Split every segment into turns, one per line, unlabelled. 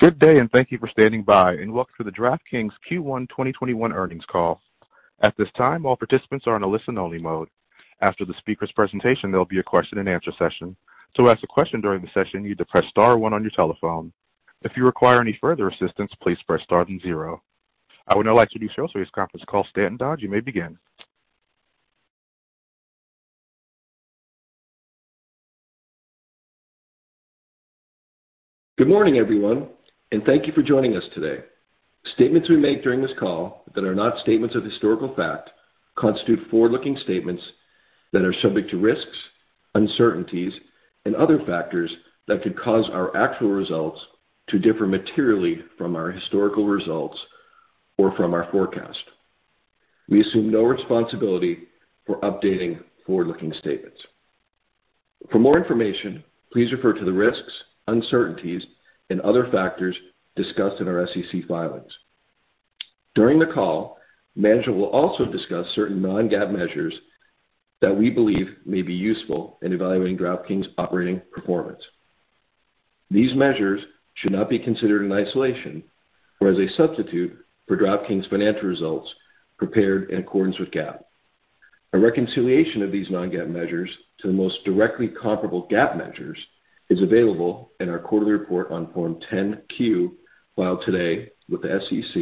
Good day, and thank you for standing by, and welcome to the DraftKings Q1 2021 earnings call. At this time, all participants are in a listen-only mode. After the speakers' presentation, there'll be a question-and-answer session. To ask a question during the session, you need to press star one on your telephone. If you require any further assistance, please press star then zero. I would now like to do show today's conference call, Stanton Dodge, you may begin.
Good morning, everyone, and thank you for joining us today. Statements we make during this call that are not statements of historical fact constitute forward-looking statements that are subject to risks, uncertainties, and other factors that could cause our actual results to differ materially from our historical results or from our forecast. We assume no responsibility for updating forward-looking statements. For more information, please refer to the risks, uncertainties and other factors discussed in our SEC filings. During the call, management will also discuss certain non-GAAP measures that we believe may be useful in evaluating DraftKings's operating performance. These measures should not be considered in isolation or as a substitute for DraftKings's financial results prepared in accordance with GAAP. A reconciliation of these non-GAAP measures to the most directly comparable GAAP measures is available in our quarterly report on Form 10-Q filed today with the SEC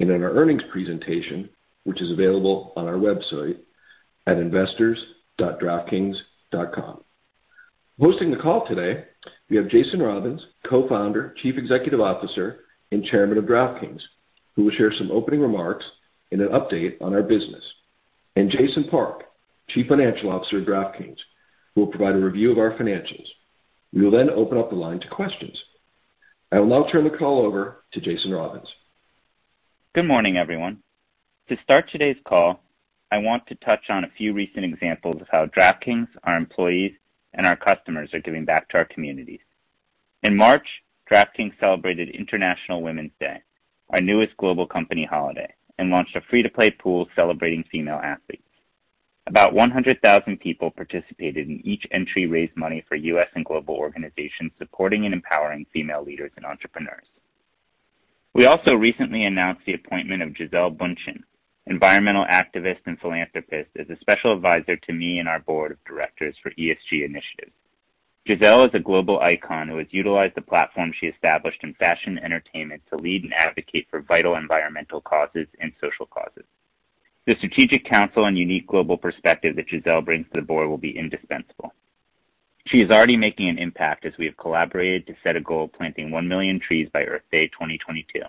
and in our earnings presentation, which is available on our website at investors.draftkings.com. Hosting the call today, we have Jason Robins, Co-founder, Chief Executive Officer, and Chairman of DraftKings, who will share some opening remarks and an update on our business. Jason Park, Chief Financial Officer of DraftKings, who will provide a review of our financials. We will then open up the line to questions. I will now turn the call over to Jason Robins.
Good morning, everyone. To start today's call, I want to touch on a few recent examples of how DraftKings, our employees, and our customers are giving back to our communities. In March, DraftKings celebrated International Women's Day, our newest global company holiday, and launched a free-to-play pool celebrating female athletes. About 100,000 people participated, and each entry raised money for U.S. and global organizations supporting and empowering female leaders and entrepreneurs. We also recently announced the appointment of Gisele Bündchen, environmental activist and philanthropist, as a special advisor to me and our board of directors for ESG initiatives. Gisele is a global icon who has utilized the platform she established in fashion entertainment to lead and advocate for vital environmental causes and social causes. The strategic counsel and unique global perspective that Gisele brings to the board will be indispensable. She is already making an impact as we have collaborated to set a goal of planting 1 million trees by Earth Day 2022.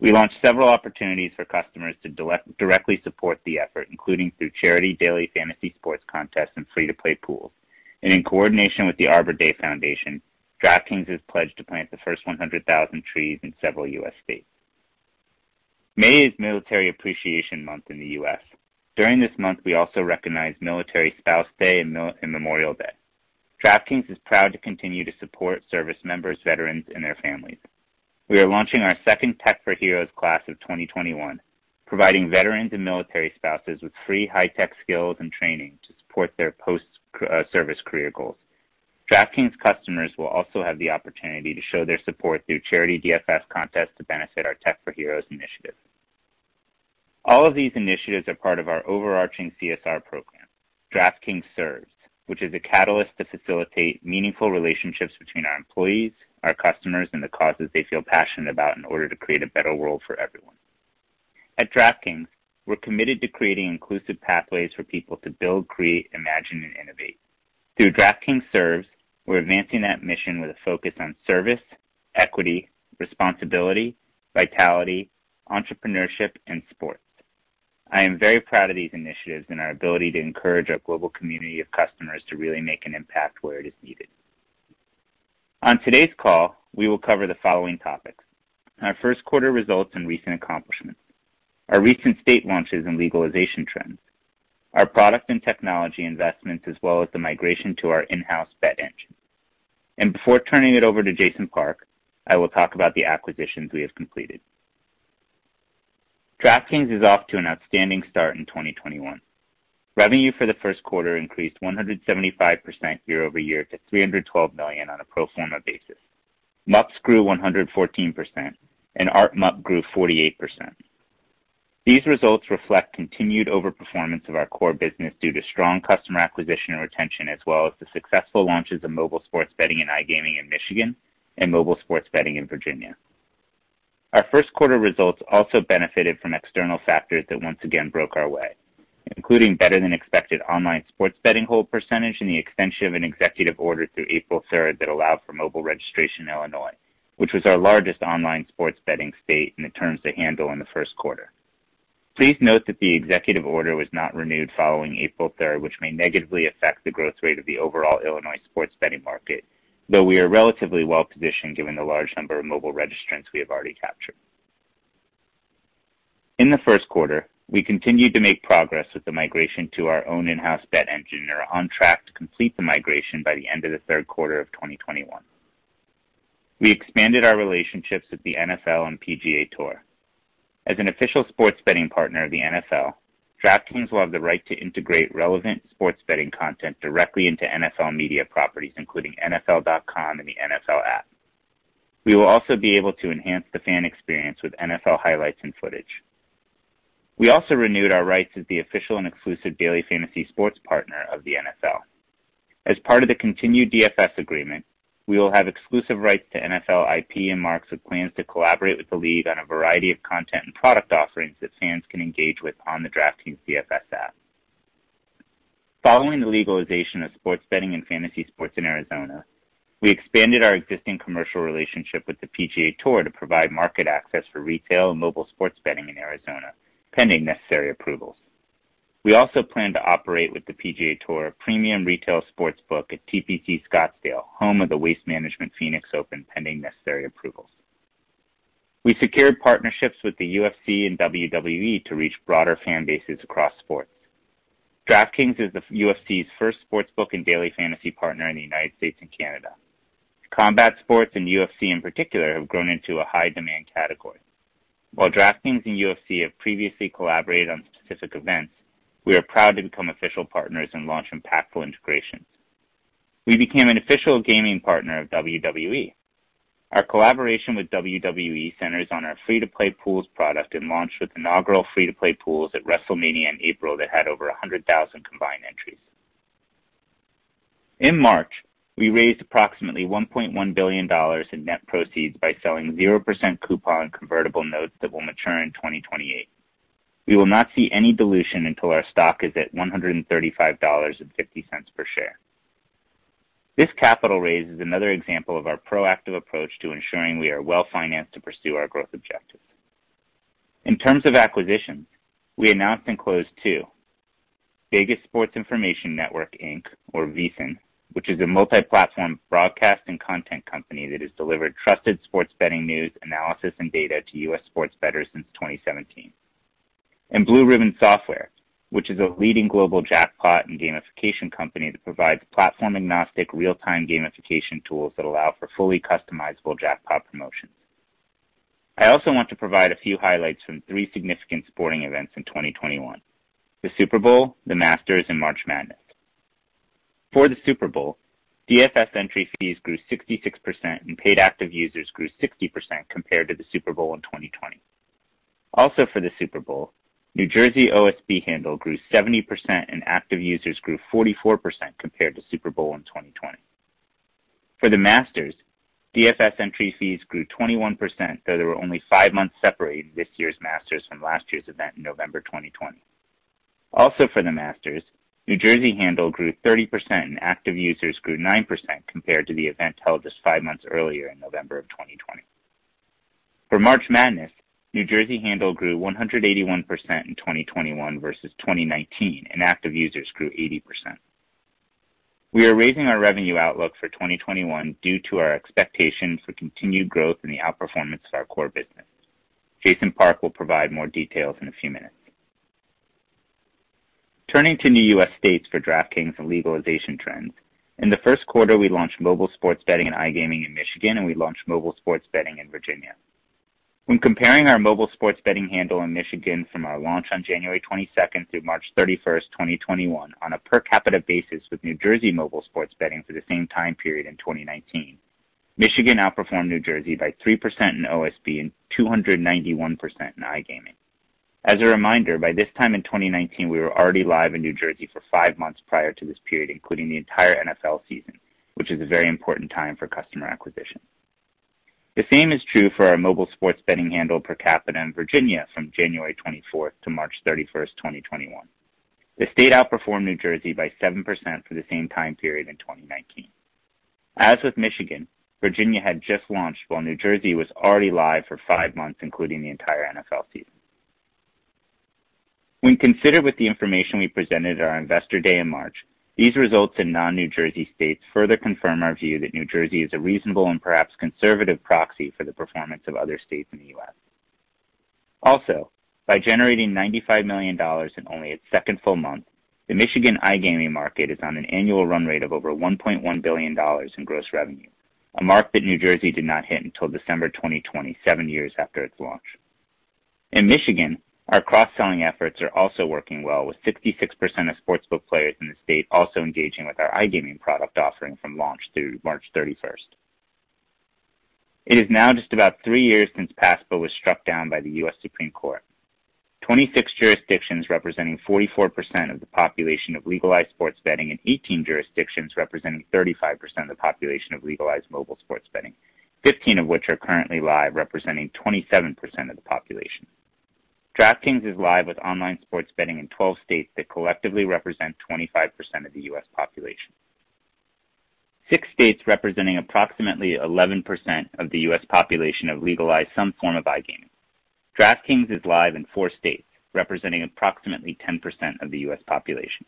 We launched several opportunities for customers to directly support the effort, including through charity daily fantasy sports contests and free-to-play pools. In coordination with the Arbor Day Foundation, DraftKings has pledged to plant the first 100,000 trees in several U.S. states. May is Military Appreciation Month in the U.S. During this month, we also recognize Military Spouse Day and Memorial Day. DraftKings is proud to continue to support service members, veterans, and their families. We are launching our second Tech for Heroes class of 2021, providing veterans and military spouses with free high-tech skills and training to support their post-service career goals. DraftKings customers will also have the opportunity to show their support through charity DFS contests to benefit our Tech for Heroes initiative. All of these initiatives are part of our overarching CSR program, DraftKings S.E.R.V.E.S., which is a catalyst to facilitate meaningful relationships between our employees, our customers, and the causes they feel passionate about in order to create a better world for everyone. At DraftKings, we're committed to creating inclusive pathways for people to build, create, imagine and innovate. Through DraftKings S.E.R.V.E.S., we're advancing that mission with a focus on service, equity, responsibility, vitality, entrepreneurship, and sports. I am very proud of these initiatives and our ability to encourage our global community of customers to really make an impact where it is needed. On today's call, we will cover the following topics: our first quarter results and recent accomplishments, our recent state launches and legalization trends, our product and technology investments, as well as the migration to our in-house bet engine. Before turning it over to Jason Park, I will talk about the acquisitions we have completed. DraftKings is off to an outstanding start in 2021. Revenue for the first quarter increased 175% year-over-year to $312 million on a pro forma basis. MUPs grew 114%, and ARPMUP grew 48%. These results reflect continued over-performance of our core business due to strong customer acquisition and retention, as well as the successful launches of mobile sports betting and iGaming in Michigan and mobile sports betting in Virginia. Our first quarter results also benefited from external factors that once again broke our way, including better than expected online sports betting hold percentage and the extension of an executive order through April 3rd that allowed for mobile registration in Illinois, which was our largest online sports betting state in the terms they handle in the first quarter. Please note that the executive order was not renewed following April 3rd, which may negatively affect the growth rate of the overall Illinois sports betting market, though we are relatively well-positioned given the large number of mobile registrants we have already captured. In the first quarter, we continued to make progress with the migration to our own in-house bet engine and are on track to complete the migration by the end of the third quarter of 2021. We expanded our relationships with the NFL and PGA Tour. As an official sports betting partner of the NFL, DraftKings will have the right to integrate relevant sports betting content directly into nfl.com and the NFL app. We will also be able to enhance the fan experience with NFL highlights and footage. We also renewed our rights as the official and exclusive daily fantasy sports partner of the NFL. As part of the continued DFS agreement, we will have exclusive rights to NFL IP and marks with plans to collaborate with the league on a variety of content and product offerings that fans can engage with on the DraftKings DFS app. Following the legalization of sports betting and fantasy sports in Arizona, we expanded our existing commercial relationship with the PGA Tour to provide market access for retail and mobile sports betting in Arizona, pending necessary approvals. We also plan to operate with the PGA Tour, a premium retail sportsbook at TPC Scottsdale, home of the Waste Management Phoenix Open, pending necessary approvals. We secured partnerships with the UFC and WWE to reach broader fan bases across sports. DraftKings is the UFC's first sportsbook and daily fantasy partner in the United States and Canada. Combat sports and UFC in particular, have grown into a high-demand category. While DraftKings and UFC have previously collaborated on specific events, we are proud to become official partners and launch impactful integrations. We became an official gaming partner of WWE. Our collaboration with WWE centers on our free-to-play pools product and launched with inaugural free-to-play pools at WrestleMania in April that had over 100,000 combined entries. In March, we raised approximately $1.1 billion in net proceeds by selling 0% coupon convertible notes that will mature in 2028. We will not see any dilution until our stock is at $135.50 per share. This capital raise is another example of our proactive approach to ensuring we are well-financed to pursue our growth objectives. In terms of acquisitions, we announced in close two, Vegas Sports Information Network, Inc., or VSiN, which is a multi-platform broadcast and content company that has delivered trusted sports betting news, analysis, and data to U.S. sports bettors since 2017. BlueRibbon Software, which is a leading global jackpot and gamification company that provides platform-agnostic, real-time gamification tools that allow for fully customizable jackpot promotions. I also want to provide a few highlights from three significant sporting events in 2021, the Super Bowl, the Masters, and March Madness. For the Super Bowl, DFS entry fees grew 66% and paid active users grew 60% compared to the Super Bowl in 2020. Also, for the Super Bowl, New Jersey OSB handle grew 70% and active users grew 44% compared to Super Bowl in 2020. For the Masters, DFS entry fees grew 21%, though there were only five months separating this year's Master's from last year's event in November 2020. Also, for the Masters, New Jersey handle grew 30% and active users grew 9% compared to the event held just five months earlier in November of 2020. For March Madness, New Jersey handle grew 181% in 2021 versus 2019, and active users grew 80%. We are raising our revenue outlook for 2021 due to our expectations for continued growth in the outperformance of our core business. Jason Park will provide more details in a few minutes. Turning to new U.S. states for DraftKings and legalization trends. In the first quarter, we launched mobile sports betting and iGaming in Michigan, and we launched mobile sports betting in Virginia. When comparing our mobile sports betting handle in Michigan from our launch on January 22nd through March 31st, 2021, on a per capita basis with New Jersey mobile sports betting for the same time period in 2019, Michigan outperformed New Jersey by 3% in OSB and 291% in iGaming. As a reminder, by this time in 2019, we were already live in New Jersey for five months prior to this period, including the entire NFL season, which is a very important time for customer acquisition. The same is true for our mobile sports betting handle per capita in Virginia from January 24th to March 31st, 2021. The state outperformed New Jersey by 7% for the same time period in 2019. As with Michigan, Virginia had just launched while New Jersey was already live for five months, including the entire NFL season. When considered with the information we presented at our Investor Day in March, these results in non-New Jersey states further confirm our view that New Jersey is a reasonable and perhaps conservative proxy for the performance of other states in the U.S. By generating $95 million in only its second full month, the Michigan iGaming market is on an annual run rate of over $1.1 billion in gross revenue, a mark that New Jersey did not hit until December 2020, seven years after its launch. In Michigan, our cross-selling efforts are also working well, with 66% of sportsbook players in the state also engaging with our iGaming product offering from launch through March 31st. It is now just about three years since PASPA was struck down by the U.S. Supreme Court. 26 jurisdictions representing 44% of the population of legalized sports betting and 18 jurisdictions representing 35% of the population of legalized mobile sports betting, 15 of which are currently live, representing 27% of the population. DraftKings is live with online sports betting in 12 states that collectively represent 25% of the U.S. population. Six states representing approximately 11% of the U.S. population have legalized some form of iGaming. DraftKings is live in four states, representing approximately 10% of the U.S. population.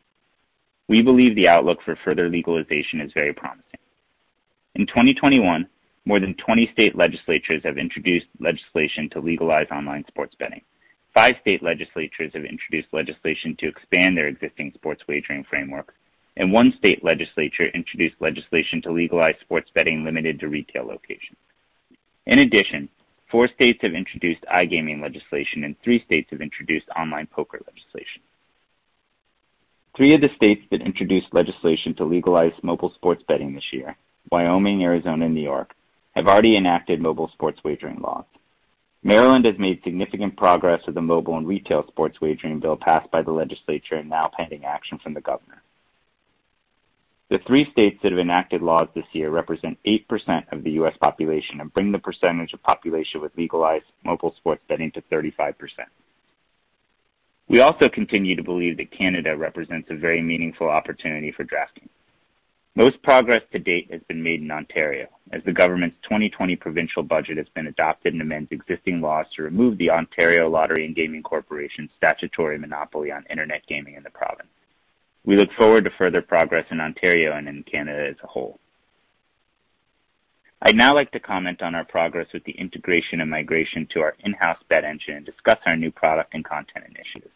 We believe the outlook for further legalization is very promising. In 2021, more than 20 state legislatures have introduced legislation to legalize online sports betting. Five state legislatures have introduced legislation to expand their existing sports wagering framework, and one state legislature introduced legislation to legalize sports betting limited to retail locations. In addition, four states have introduced iGaming legislation and three states have introduced online poker legislation. Three of the states that introduced legislation to legalize mobile sports betting this year, Wyoming, Arizona, and New York, have already enacted mobile sports wagering laws. Maryland has made significant progress with the mobile and retail sports wagering bill passed by the legislature and now pending action from the governor. The three states that have enacted laws this year represent 8% of the U.S. population and bring the percentage of population with legalized mobile sports betting to 35%. We also continue to believe that Canada represents a very meaningful opportunity for DraftKings. Most progress to date has been made in Ontario, as the government's 2020 provincial budget has been adopted and amends existing laws to remove the Ontario Lottery and Gaming Corporation's statutory monopoly on internet gaming in the province. We look forward to further progress in Ontario and in Canada as a whole. I'd now like to comment on our progress with the integration and migration to our in-house bet engine and discuss our new product and content initiatives.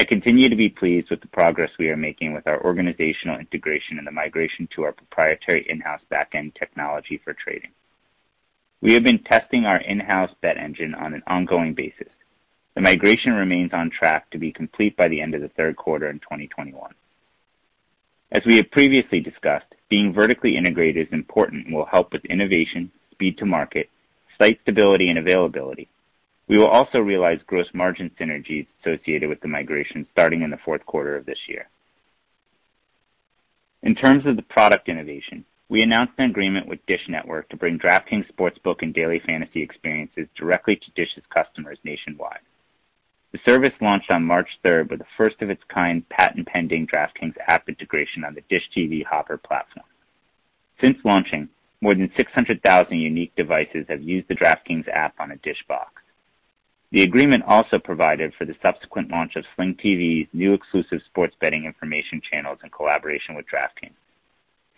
I continue to be pleased with the progress we are making with our organizational integration and the migration to our proprietary in-house back-end technology for trading. We have been testing our in-house bet engine on an ongoing basis. The migration remains on track to be complete by the end of the third quarter in 2021. As we have previously discussed, being vertically integrated is important and will help with innovation, speed to market, site stability, and availability. We will also realize gross margin synergies associated with the migration starting in the fourth quarter of this year. In terms of the product innovation, we announced an agreement with Dish Network to bring DraftKings Sportsbook and daily fantasy experiences directly to Dish's customers nationwide. The service launched on March third with a first-of-its-kind patent-pending DraftKings app integration on the Dish TV Hopper platform. Since launching, more than 600,000 unique devices have used the DraftKings app on a Dish box. The agreement also provided for the subsequent launch of Sling TV's new exclusive sports betting information channels in collaboration with DraftKings.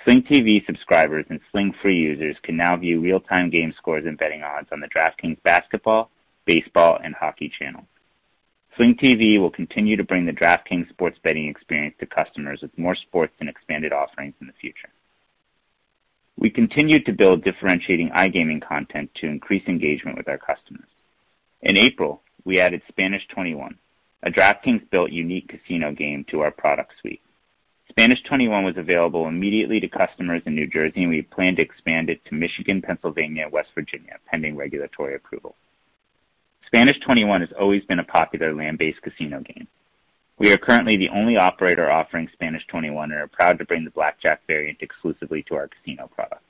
Sling TV subscribers and Sling free users can now view real-time game scores and betting odds on the DraftKings basketball, baseball, and hockey channels. Sling TV will continue to bring the DraftKings sports betting experience to customers with more sports and expanded offerings in the future. We continued to build differentiating iGaming content to increase engagement with our customers. In April, we added Spanish 21, a DraftKings-built unique casino game to our product suite. Spanish 21 was available immediately to customers in New Jersey, and we plan to expand it to Michigan, Pennsylvania, West Virginia, pending regulatory approval. Spanish 21 has always been a popular land-based casino game. We are currently the only operator offering Spanish 21 and are proud to bring the blackjack variant exclusively to our casino product.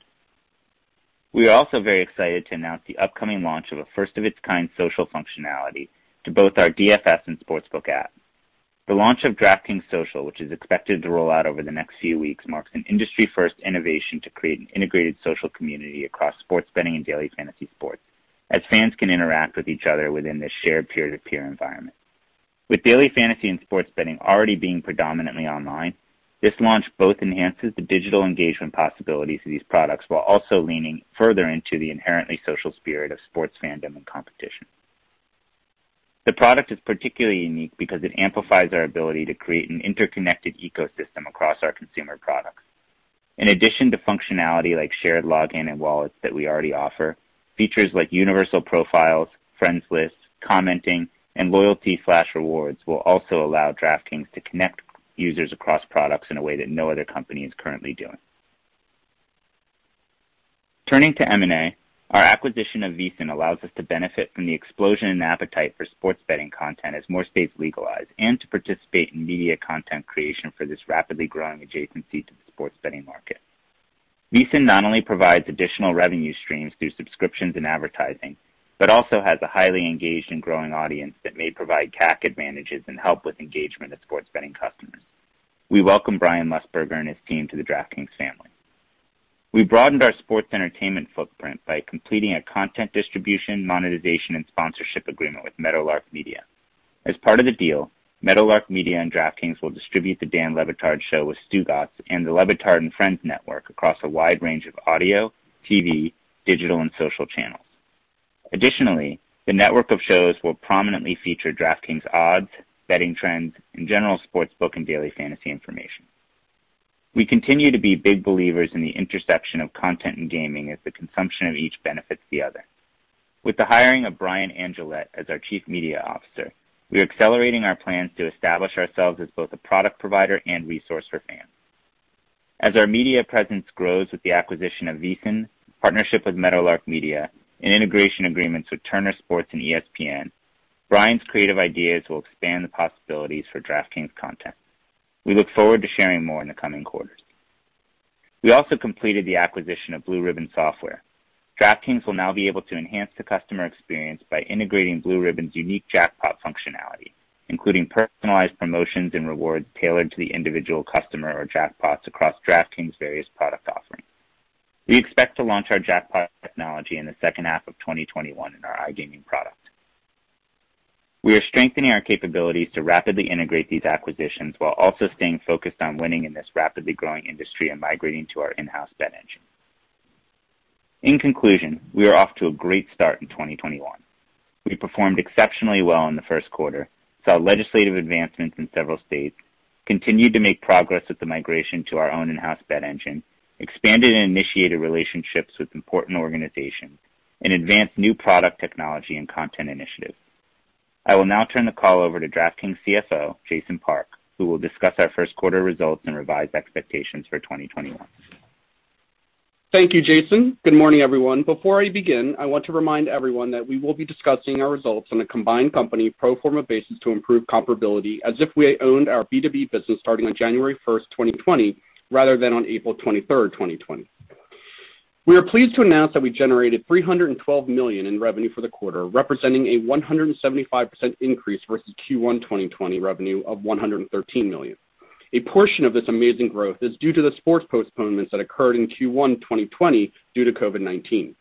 We are also very excited to announce the upcoming launch of a first-of-its-kind social functionality to both our DFS and Sportsbook apps. The launch of DraftKings Social, which is expected to roll out over the next few weeks, marks an industry-first innovation to create an integrated social community across sports betting and daily fantasy sports, as fans can interact with each other within this shared peer-to-peer environment. With daily fantasy and sports betting already being predominantly online, this launch both enhances the digital engagement possibilities of these products while also leaning further into the inherently social spirit of sports fandom and competition. The product is particularly unique because it amplifies our ability to create an interconnected ecosystem across our consumer products. In addition to functionality like shared login and wallets that we already offer, features like universal profiles, friends lists, commenting, and loyalty/rewards will also allow DraftKings to connect users across products in a way that no other company is currently doing. Turning to M&A, our acquisition of VSiN allows us to benefit from the explosion in appetite for sports betting content as more states legalize and to participate in media content creation for this rapidly growing adjacency to the sports betting market. VSiN not only provides additional revenue streams through subscriptions and advertising but also has a highly engaged and growing audience that may provide CAC advantages and help with engagement of sports betting customers. We welcome Brian Musburger and his team to the DraftKings family. We broadened our sports entertainment footprint by completing a content distribution, monetization, and sponsorship agreement with Meadowlark Media. As part of the deal, Meadowlark Media and DraftKings will distribute "The Dan Le Batard Show with Stugotz" and the Le Batard & Friends network across a wide range of audio, TV, digital, and social channels. Additionally, the network of shows will prominently feature DraftKings odds, betting trends, and general sportsbook and daily fantasy information. We continue to be big believers in the intersection of content and gaming as the consumption of each benefits the other. With the hiring of Brian Angiolet as our Chief Media Officer, we are accelerating our plans to establish ourselves as both a product provider and resource for fans. As our media presence grows with the acquisition of VSiN, partnership with Meadowlark Media, and integration agreements with Turner Sports and ESPN, Brian's creative ideas will expand the possibilities for DraftKings content. We look forward to sharing more in the coming quarters. We also completed the acquisition of BlueRibbon Software. DraftKings will now be able to enhance the customer experience by integrating BlueRibbon's unique jackpot functionality, including personalized promotions and rewards tailored to the individual customer or jackpots across DraftKings' various product offerings. We expect to launch our jackpot technology in the second half of 2021 in our iGaming product. We are strengthening our capabilities to rapidly integrate these acquisitions while also staying focused on winning in this rapidly growing industry and migrating to our in-house bet engine. In conclusion, we are off to a great start in 2021. We performed exceptionally well in the first quarter, saw legislative advancements in several states, continued to make progress with the migration to our own in-house bet engine, expanded and initiated relationships with important organizations, and advanced new product technology and content initiatives. I will now turn the call over to DraftKings CFO, Jason Park, who will discuss our first quarter results and revised expectations for 2021.
Thank you, Jason. Good morning, everyone. Before I begin, I want to remind everyone that we will be discussing our results on a combined company pro forma basis to improve comparability as if we owned our B2B business starting on January 1st, 2020, rather than on April 23rd, 2020. We are pleased to announce that we generated $312 million in revenue for the quarter, representing a 175% increase versus Q1 2020 revenue of $113 million. A portion of this amazing growth is due to the sports postponements that occurred in Q1 2020 due to COVID-19.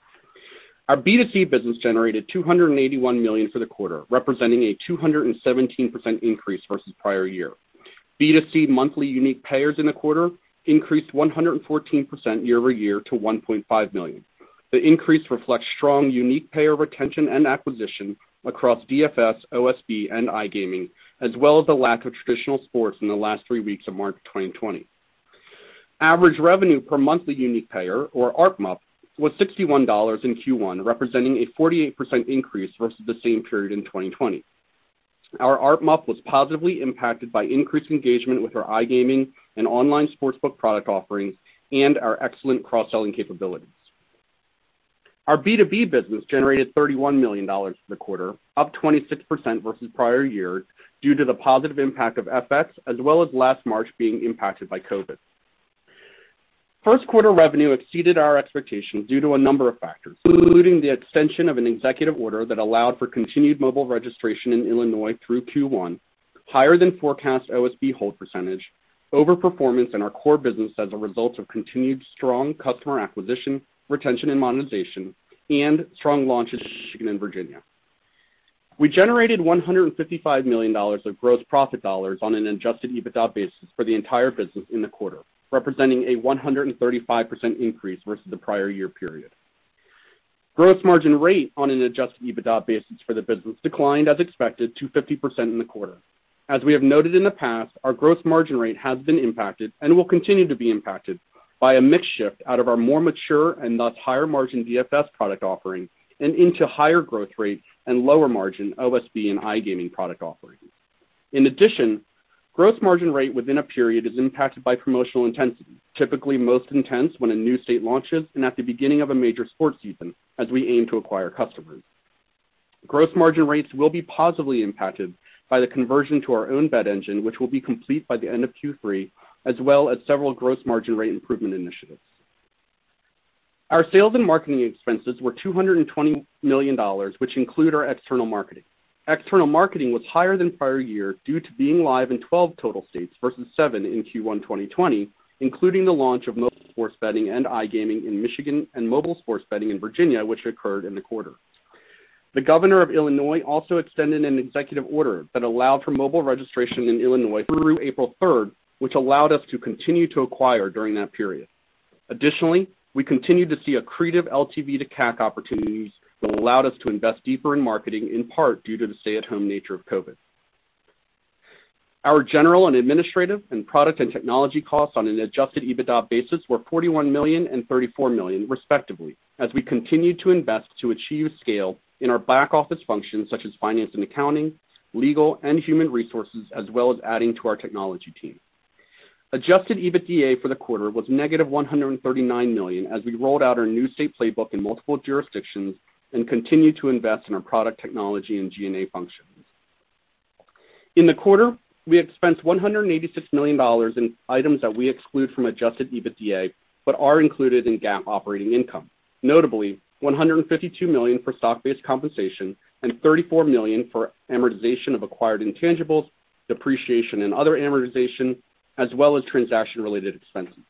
Our B2C business generated $281 million for the quarter, representing a 217% increase versus prior year. B2C monthly unique payers in the quarter increased 114% year over year to 1.5 million. The increase reflects strong unique payer retention and acquisition across DFS, OSB and iGaming, as well as the lack of traditional sports in the last three weeks of March 2020. Average revenue per monthly unique payer, or ARPMUP, was $61 in Q1, representing a 48% increase versus the same period in 2020. Our ARPMUP was positively impacted by increased engagement with our iGaming and online sports book product offerings and our excellent cross-selling capabilities. Our B2B business generated $31 million for the quarter, up 26% versus prior years due to the positive impact of FX, as well as last March being impacted by COVID. First quarter revenue exceeded our expectations due to a number of factors, including the extension of an executive order that allowed for continued mobile registration in Illinois through Q1, higher than forecast OSB hold percentage, over performance in our core business as a result of continued strong customer acquisition, retention and monetization, and strong launches in Michigan and Virginia. We generated $155 million of gross profit dollars on an Adjusted EBITDA basis for the entire business in the quarter, representing a 135% increase versus the prior year period. Gross margin rate on an Adjusted EBITDA basis for the business declined as expected to 50% in the quarter. As we have noted in the past, our gross margin rate has been impacted and will continue to be impacted by a mix shift out of our more mature and thus higher margin DFS product offerings and into higher growth rate and lower margin OSB and iGaming product offerings. Gross margin rate within a period is impacted by promotional intensity, typically most intense when a new state launches and at the beginning of a major sports season, as we aim to acquire customers. Gross margin rates will be positively impacted by the conversion to our own bet engine, which will be complete by the end of Q3, as well as several gross margin rate improvement initiatives. Our sales and marketing expenses were $220 million, which include our external marketing. External marketing was higher than prior year due to being live in 12 total states versus seven in Q1 2020, including the launch of mobile sports betting and iGaming in Michigan and mobile sports betting in Virginia, which occurred in the quarter. The governor of Illinois also extended an executive order that allowed for mobile registration in Illinois through April 3rd, which allowed us to continue to acquire during that period. Additionally, we continued to see accretive LTV to CAC opportunities that allowed us to invest deeper in marketing, in part due to the stay-at-home nature of COVID. Our general and administrative and product and technology costs on an Adjusted EBITDA basis were $41 million and $34 million respectively as we continued to invest to achieve scale in our back-office functions such as finance and accounting, legal and human resources, as well as adding to our technology team. Adjusted EBITDA for the quarter was negative $139 million as we rolled out our new state playbook in multiple jurisdictions and continued to invest in our product technology and G&A functions. In the quarter, we expensed $186 million in items that we exclude from Adjusted EBITDA but are included in GAAP operating income. Notably, $152 million for stock-based compensation and $34 million for amortization of acquired intangibles, depreciation and other amortization, as well as transaction-related expenses.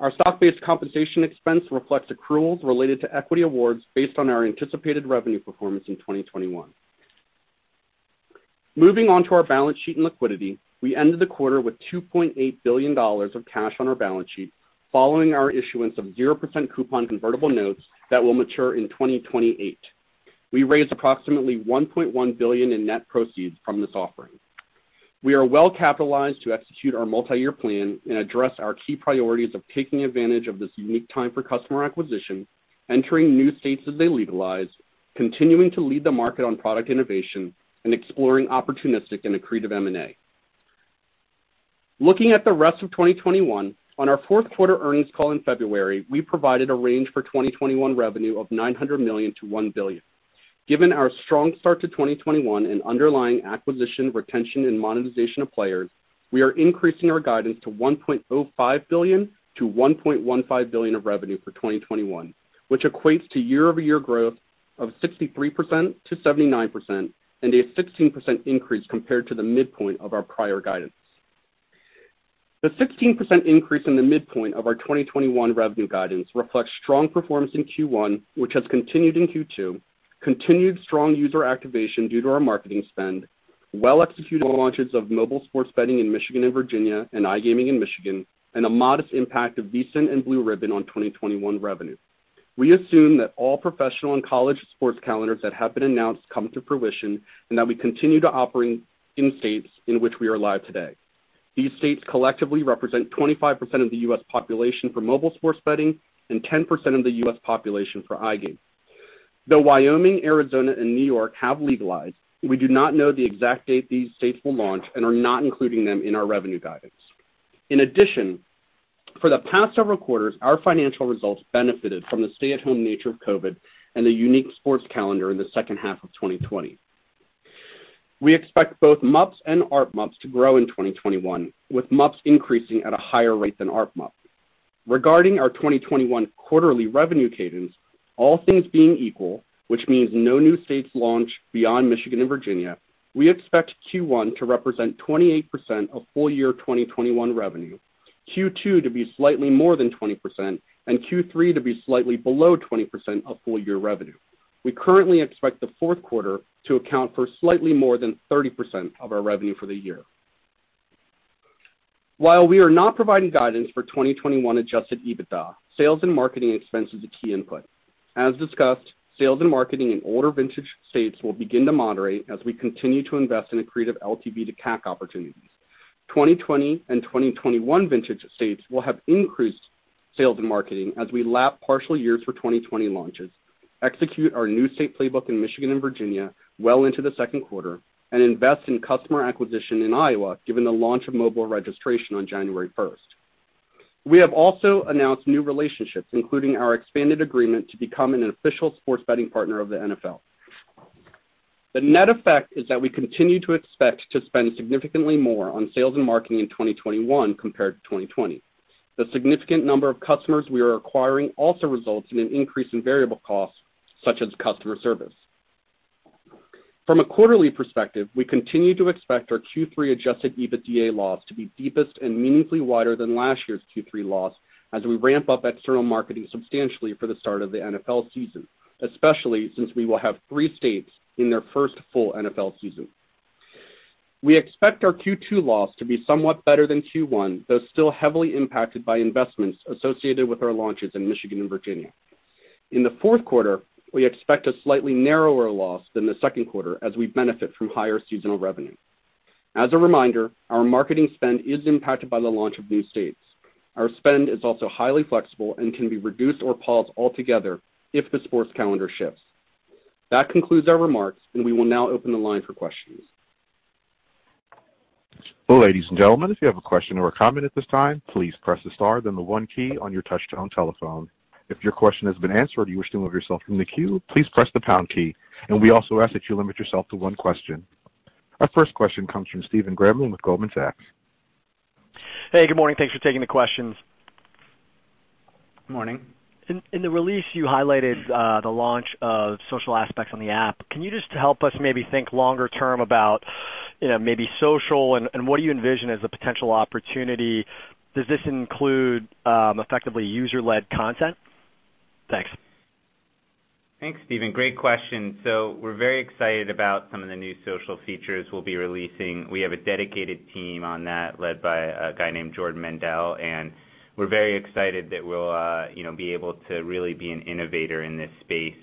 Our stock-based compensation expense reflects accruals related to equity awards based on our anticipated revenue performance in 2021. Moving on to our balance sheet and liquidity, we ended the quarter with $2.8 billion of cash on our balance sheet following our issuance of 0% coupon convertible notes that will mature in 2028. We raised approximately $1.1 billion in net proceeds from this offering. We are well capitalized to execute our multi-year plan and address our key priorities of taking advantage of this unique time for customer acquisition, entering new states as they legalize, continuing to lead the market on product innovation and exploring opportunistic and accretive M&A. Looking at the rest of 2021, on our fourth quarter earnings call in February, we provided a range for 2021 revenue of $900 million-$1 billion. Given our strong start to 2021 and underlying acquisition, retention and monetization of players, we are increasing our guidance to $1.05 billion-$1.15 billion of revenue for 2021, which equates to year-over-year growth of 63%-79%, and a 16% increase compared to the midpoint of our prior guidance. The 16% increase in the midpoint of our 2021 revenue guidance reflects strong performance in Q1, which has continued in Q2, continued strong user activation due to our marketing spend, well-executed launches of mobile sports betting in Michigan and Virginia and iGaming in Michigan, and a modest impact of VSiN and Blue Ribbon on 2021 revenue. We assume that all professional and college sports calendars that have been announced come to fruition, that we continue to operate in states in which we are live today. These states collectively represent 25% of the U.S. population for mobile sports betting and 10% of the U.S. population for iGaming. Wyoming, Arizona, and New York have legalized, we do not know the exact date these states will launch and are not including them in our revenue guidance. In addition, for the past several quarters, our financial results benefited from the stay-at-home nature of COVID and the unique sports calendar in the second half of 2020. We expect both MUPs and ARPMUPs to grow in 2021, with MUPs increasing at a higher rate than ARPMUP. Regarding our 2021 quarterly revenue cadence, all things being equal, which means no new states launch beyond Michigan and Virginia, we expect Q1 to represent 28% of full-year 2021 revenue, Q2 to be slightly more than 20%, and Q3 to be slightly below 20% of full-year revenue. We currently expect the fourth quarter to account for slightly more than 30% of our revenue for the year. While we are not providing guidance for 2021 Adjusted EBITDA, sales and marketing expense is a key input. As discussed, sales and marketing in older vintage states will begin to moderate as we continue to invest in accretive LTV to CAC opportunities. 2020 and 2021 vintage states will have increased sales and marketing as we lap partial years for 2020 launches, execute our new state playbook in Michigan and Virginia well into the second quarter, and invest in customer acquisition in Iowa, given the launch of mobile registration on January 1st. We have also announced new relationships, including our expanded agreement to become an official sports betting partner of the NFL. The net effect is that we continue to expect to spend significantly more on sales and marketing in 2021 compared to 2020. The significant number of customers we are acquiring also results in an increase in variable costs, such as customer service. From a quarterly perspective, we continue to expect our Q3 Adjusted EBITDA loss to be deepest and meaningfully wider than last year's Q3 loss as we ramp up external marketing substantially for the start of the NFL season, especially since we will have three states in their first full NFL season. We expect our Q2 loss to be somewhat better than Q1, though still heavily impacted by investments associated with our launches in Michigan and Virginia. In the fourth quarter, we expect a slightly narrower loss than the second quarter as we benefit from higher seasonal revenue. As a reminder, our marketing spend is impacted by the launch of new states. Our spend is also highly flexible and can be reduced or paused altogether if the sports calendar shifts. That concludes our remarks, and we will now open the line for questions.
Ladies and gentlemen, if you have a question or a comment at this time, please press the star, then the one key on your touchtone telephone. If your question has been answered or you wish to remove yourself from the queue, please press the pound key, we also ask that you limit yourself to one question. Our first question comes from Stephen Grambling with Goldman Sachs.
Hey, good morning. Thanks for taking the questions.
Morning.
In the release, you highlighted the launch of social aspects on the app. Can you just help us maybe think longer term about maybe social and what you envision as a potential opportunity? Does this include effectively user-led content? Thanks.
Thanks, Stephen. Great question. We're very excited about some of the new social features we'll be releasing. We have a dedicated team on that led by a guy named Jordan Mandel, and we're very excited that we'll be able to really be an innovator in this space.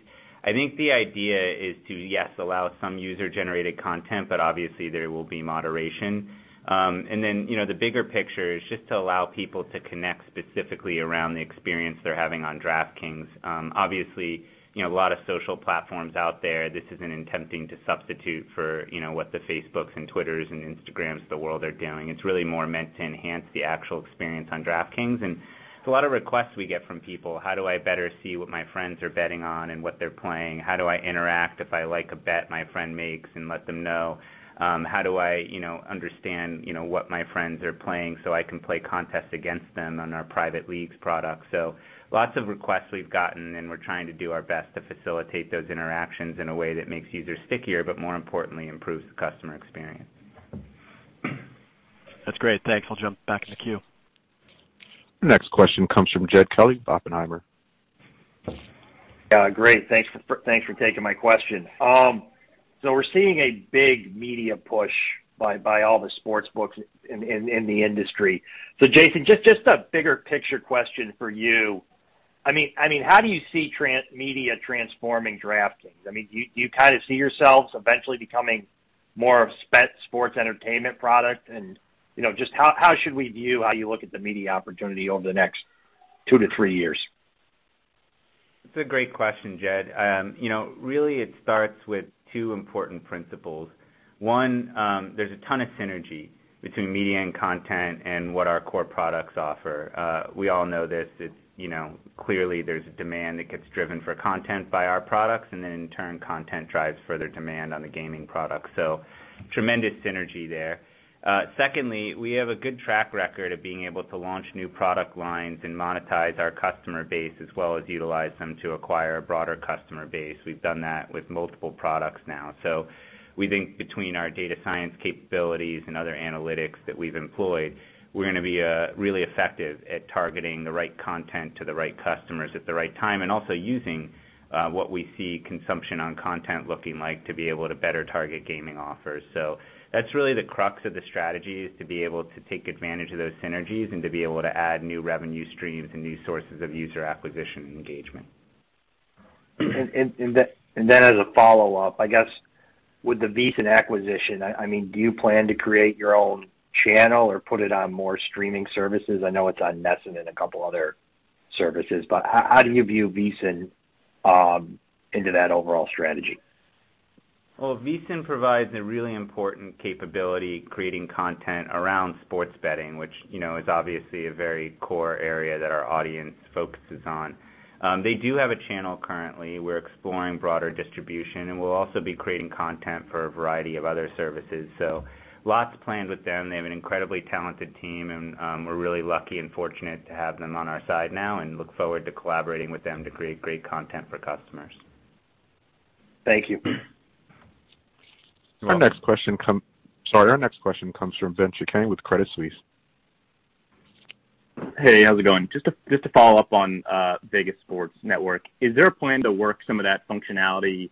I think the idea is to, yes, allow some user-generated content, but obviously, there will be moderation. The bigger picture is just to allow people to connect specifically around the experience they're having on DraftKings. Obviously, a lot of social platforms out there. This isn't attempting to substitute for what the Facebooks and Twitters and Instagrams of the world are doing. It's really more meant to enhance the actual experience on DraftKings. It's a lot of requests we get from people. How do I better see what my friends are betting on and what they're playing? How do I interact if I like a bet my friend makes and let them know? How do I understand what my friends are playing so I can play contests against them on our private leagues product? Lots of requests we've gotten, and we're trying to do our best to facilitate those interactions in a way that makes users stickier, but more importantly, improves the customer experience.
That's great. Thanks. I'll jump back in the queue.
Next question comes from Jed Kelly, Oppenheimer.
Yeah, great. Thanks for taking my question. We're seeing a big media push by all the sportsbooks in the industry. Jason, just a bigger picture question for you. How do you see media transforming DraftKings? Do you kind of see yourselves eventually becoming more of sports entertainment product, and just how should we view how you look at the media opportunity over the next two to three years?
It's a great question, Jed. Really, it starts with two important principles. One, there's a ton of synergy between media and content and what our core products offer. We all know this. Clearly, there's a demand that gets driven for content by our products, and then in turn, content drives further demand on the gaming product. Tremendous synergy there. Secondly, we have a good track record of being able to launch new product lines and monetize our customer base, as well as utilize them to acquire a broader customer base. We've done that with multiple products now. We think between our data science capabilities and other analytics that we've employed, we're going to be really effective at targeting the right content to the right customers at the right time, and also using what we see consumption on content looking like to be able to better target gaming offers. That's really the crux of the strategy is to be able to take advantage of those synergies and to be able to add new revenue streams and new sources of user acquisition and engagement.
As a follow-up, I guess, with the VSiN acquisition, do you plan to create your own channel or put it on more streaming services? I know it's on NESN and in a couple of other services, but how do you view VSiN into that overall strategy?
Well, VSiN provides a really important capability creating content around sports betting, which is obviously a very core area that our audience focuses on. They do have a channel currently. We're exploring broader distribution, and we'll also be creating content for a variety of other services. Lots planned with them. They have an incredibly talented team, and we're really lucky and fortunate to have them on our side now, and look forward to collaborating with them to create great content for customers.
Thank you.
You're welcome.
Our next question comes from Ben Chaiken with Credit Suisse.
Hey, how's it going? Just to follow up on Vegas Sports Network, is there a plan to work some of that functionality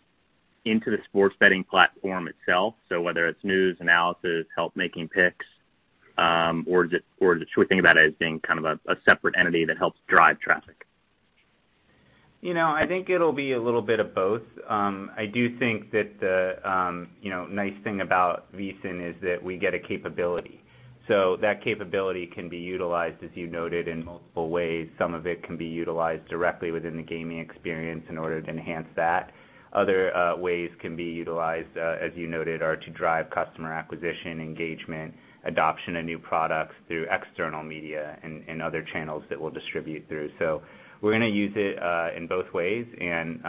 into the sports betting platform itself? Whether it's news, analysis, help making picks, or should we think about it as being a separate entity that helps drive traffic?
I think it'll be a little bit of both. I do think that the nice thing about VSiN is that we get a capability. That capability can be utilized, as you noted, in multiple ways. Some of it can be utilized directly within the gaming experience in order to enhance that. Other ways can be utilized, as you noted, are to drive customer acquisition, engagement, adoption of new products through external media and other channels that we'll distribute through. We're going to use it in both ways, and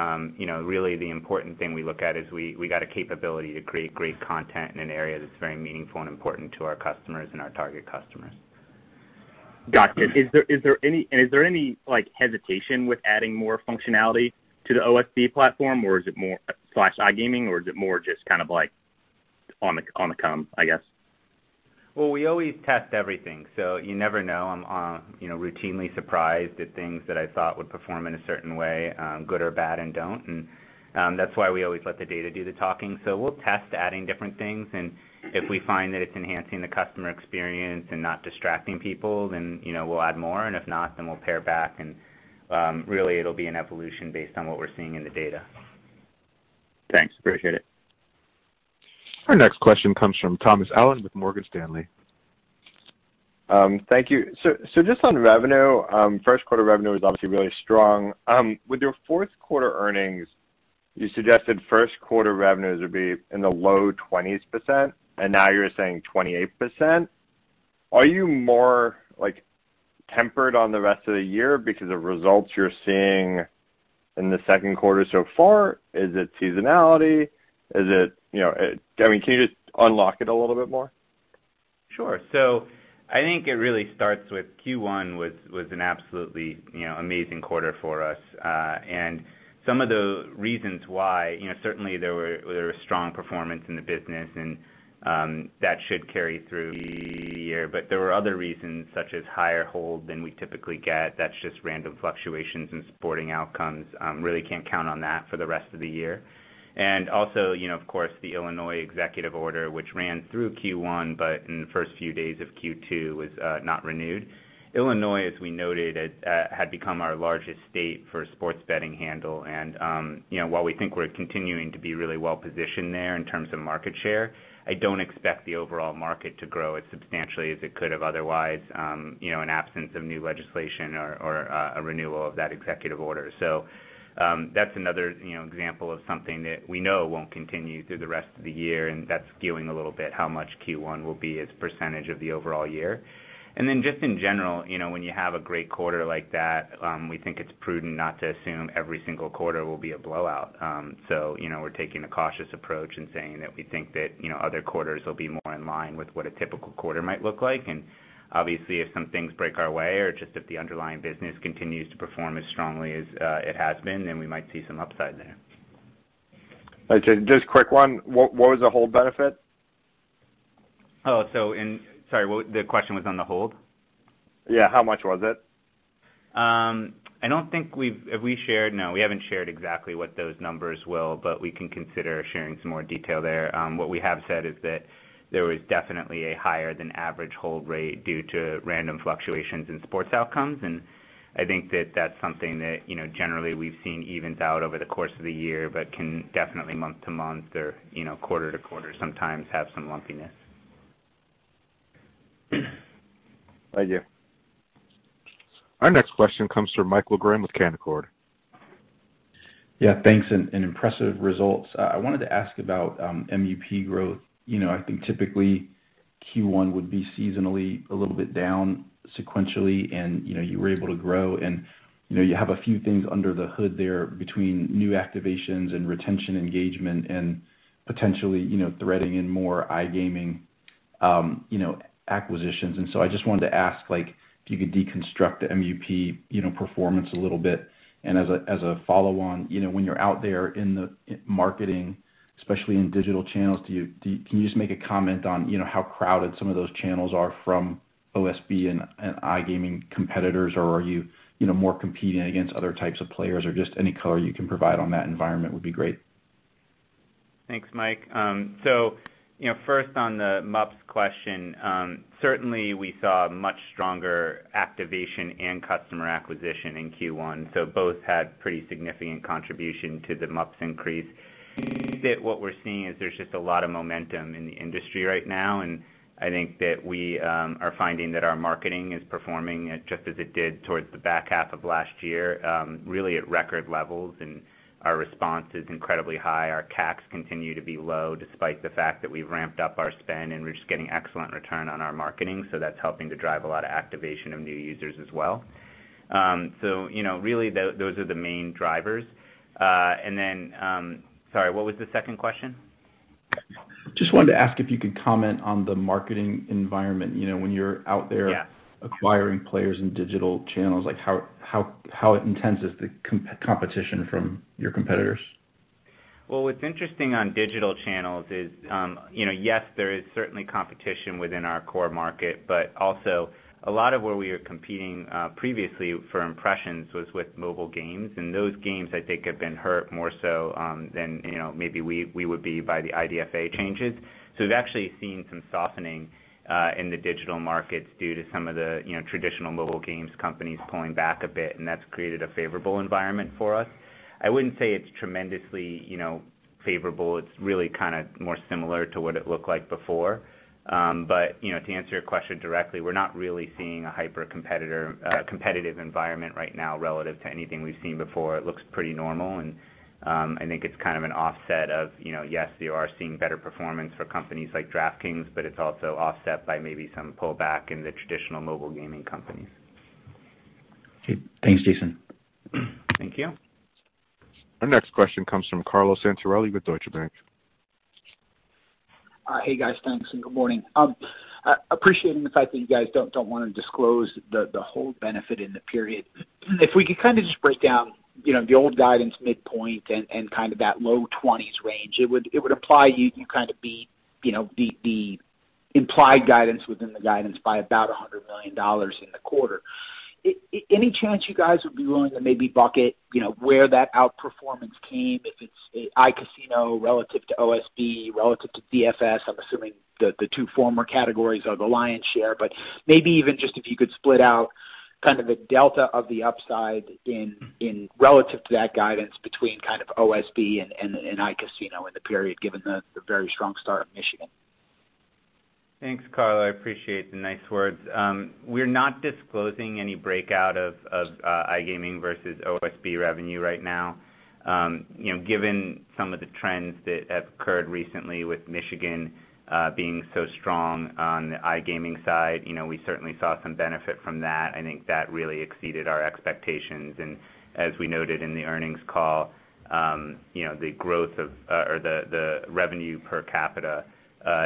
really the important thing we look at is we got a capability to create great content in an area that's very meaningful and important to our customers and our target customers.
Got you. Is there any hesitation with adding more functionality to the OSB platform or is it more slash iGaming, or is it more just on the come, I guess?
Well, we always test everything. You never know. I'm routinely surprised at things that I thought would perform in a certain way, good or bad, and don't. That's why we always let the data do the talking. We'll test adding different things, and if we find that it's enhancing the customer experience and not distracting people, then we'll add more, and if not, then we'll pare back and really it'll be an evolution based on what we're seeing in the data.
Thanks. Appreciate it.
Our next question comes from Thomas Allen with Morgan Stanley.
Thank you. Just on revenue, first quarter revenue was obviously really strong. With your fourth quarter earnings, you suggested first quarter revenues would be in the low 20s%, and now you're saying 28%. Are you more tempered on the rest of the year because of results you're seeing in the second quarter so far? Is it seasonality? Can you just unlock it a little bit more?
Sure. I think it really starts with Q1 was an absolutely amazing quarter for us. Some of the reasons why, certainly there was strong performance in the business and that should carry through the year. There were other reasons, such as higher hold than we typically get. That's just random fluctuations in sporting outcomes. Really can't count on that for the rest of the year. Also, of course, the Illinois executive order, which ran through Q1, but in the first few days of Q2 was not renewed. Illinois, as we noted, had become our largest state for sports betting handle, and while we think we're continuing to be really well-positioned there in terms of market share, I don't expect the overall market to grow as substantially as it could have otherwise in absence of new legislation or a renewal of that executive order. That's another example of something that we know won't continue through the rest of the year, and that's skewing a little bit how much Q1 will be as % of the overall year. Then just in general, when you have a great quarter like that, we think it's prudent not to assume every single quarter will be a blowout. We're taking a cautious approach and saying that we think that other quarters will be more in line with what a typical quarter might look like. Obviously, if some things break our way or just if the underlying business continues to perform as strongly as it has been, then we might see some upside there.
Just a quick one. What was the hold benefit?
Oh, sorry, the question was on the hold?
Yeah. How much was it?
Have we shared? No. We haven't shared exactly what those numbers were, but we can consider sharing some more detail there. What we have said is that there was definitely a higher than average hold rate due to random fluctuations in sports outcomes, and I think that that's something that generally we've seen evened out over the course of the year, but can definitely month to month or quarter to quarter sometimes have some lumpiness.
Thank you.
Our next question comes from Michael Graham with Canaccord.
Yeah, thanks. Impressive results. I wanted to ask about MUP growth. I think typically Q1 would be seasonally a little bit down sequentially and you were able to grow and you have a few things under the hood there between new activations and retention engagement and potentially threading in more iGaming acquisitions. I just wanted to ask if you could deconstruct the MUP performance a little bit. As a follow-on, when you're out there in the marketing, especially in digital channels, can you just make a comment on how crowded some of those channels are from OSB and iGaming competitors? Are you more competing against other types of players? Just any color you can provide on that environment would be great.
Thanks, Mike. First on the MUPs question, certainly we saw much stronger activation and customer acquisition in Q1, both had pretty significant contribution to the MUPs increase. I think that what we're seeing is there's just a lot of momentum in the industry right now, and I think that we are finding that our marketing is performing just as it did towards the back half of last year, really at record levels, and our response is incredibly high. Our CAC continue to be low, despite the fact that we've ramped up our spend, and we're just getting excellent return on our marketing, so that's helping to drive a lot of activation of new users as well. Really, those are the main drivers. Then, sorry, what was the second question?
Just wanted to ask if you could comment on the marketing environment. When you're out there.
Yeah
Acquiring players in digital channels, how intense is the competition from your competitors?
What's interesting on digital channels is, yes, there is certainly competition within our core market, but also a lot of where we are competing, previously for impressions, was with mobile games. Those games, I think, have been hurt more so than maybe we would be by the IDFA changes. We've actually seen some softening in the digital markets due to some of the traditional mobile games companies pulling back a bit, and that's created a favorable environment for us. I wouldn't say it's tremendously favorable. It's really kind of more similar to what it looked like before. To answer your question directly, we're not really seeing a hyper-competitive environment right now relative to anything we've seen before. It looks pretty normal, and I think it's kind of an offset of, yes, you are seeing better performance for companies like DraftKings, but it's also offset by maybe some pullback in the traditional mobile gaming companies.
Okay. Thanks, Jason.
Thank you.
Our next question comes from Carlo Santarelli with Deutsche Bank.
Hey, guys. Thanks, and good morning. Appreciating the fact that you guys don't want to disclose the whole benefit in the period, if we could kind of just break down the old guidance midpoint and kind of that low 20s range, it would apply you kind of beat the implied guidance within the guidance by about $100 million in the quarter. Any chance you guys would be willing to maybe bucket where that outperformance came, if it's iCasino relative to OSB, relative to DFS? I'm assuming the two former categories are the lion's share, but maybe even just if you could split out kind of the delta of the upside in relative to that guidance between kind of OSB and iCasino in the period, given the very strong start in Michigan.
Thanks, Carlo. I appreciate the nice words. We're not disclosing any breakout of iGaming versus OSB revenue right now. Given some of the trends that have occurred recently with Michigan being so strong on the iGaming side, we certainly saw some benefit from that. I think that really exceeded our expectations, and as we noted in the earnings call, the revenue per capita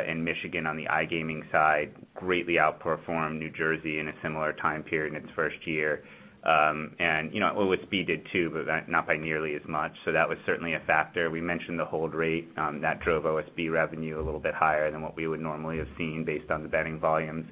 in Michigan on the iGaming side greatly outperformed New Jersey in a similar time period in its first year. OSB did too, but not by nearly as much, so that was certainly a factor. We mentioned the hold rate. That drove OSB revenue a little bit higher than what we would normally have seen based on the betting volumes.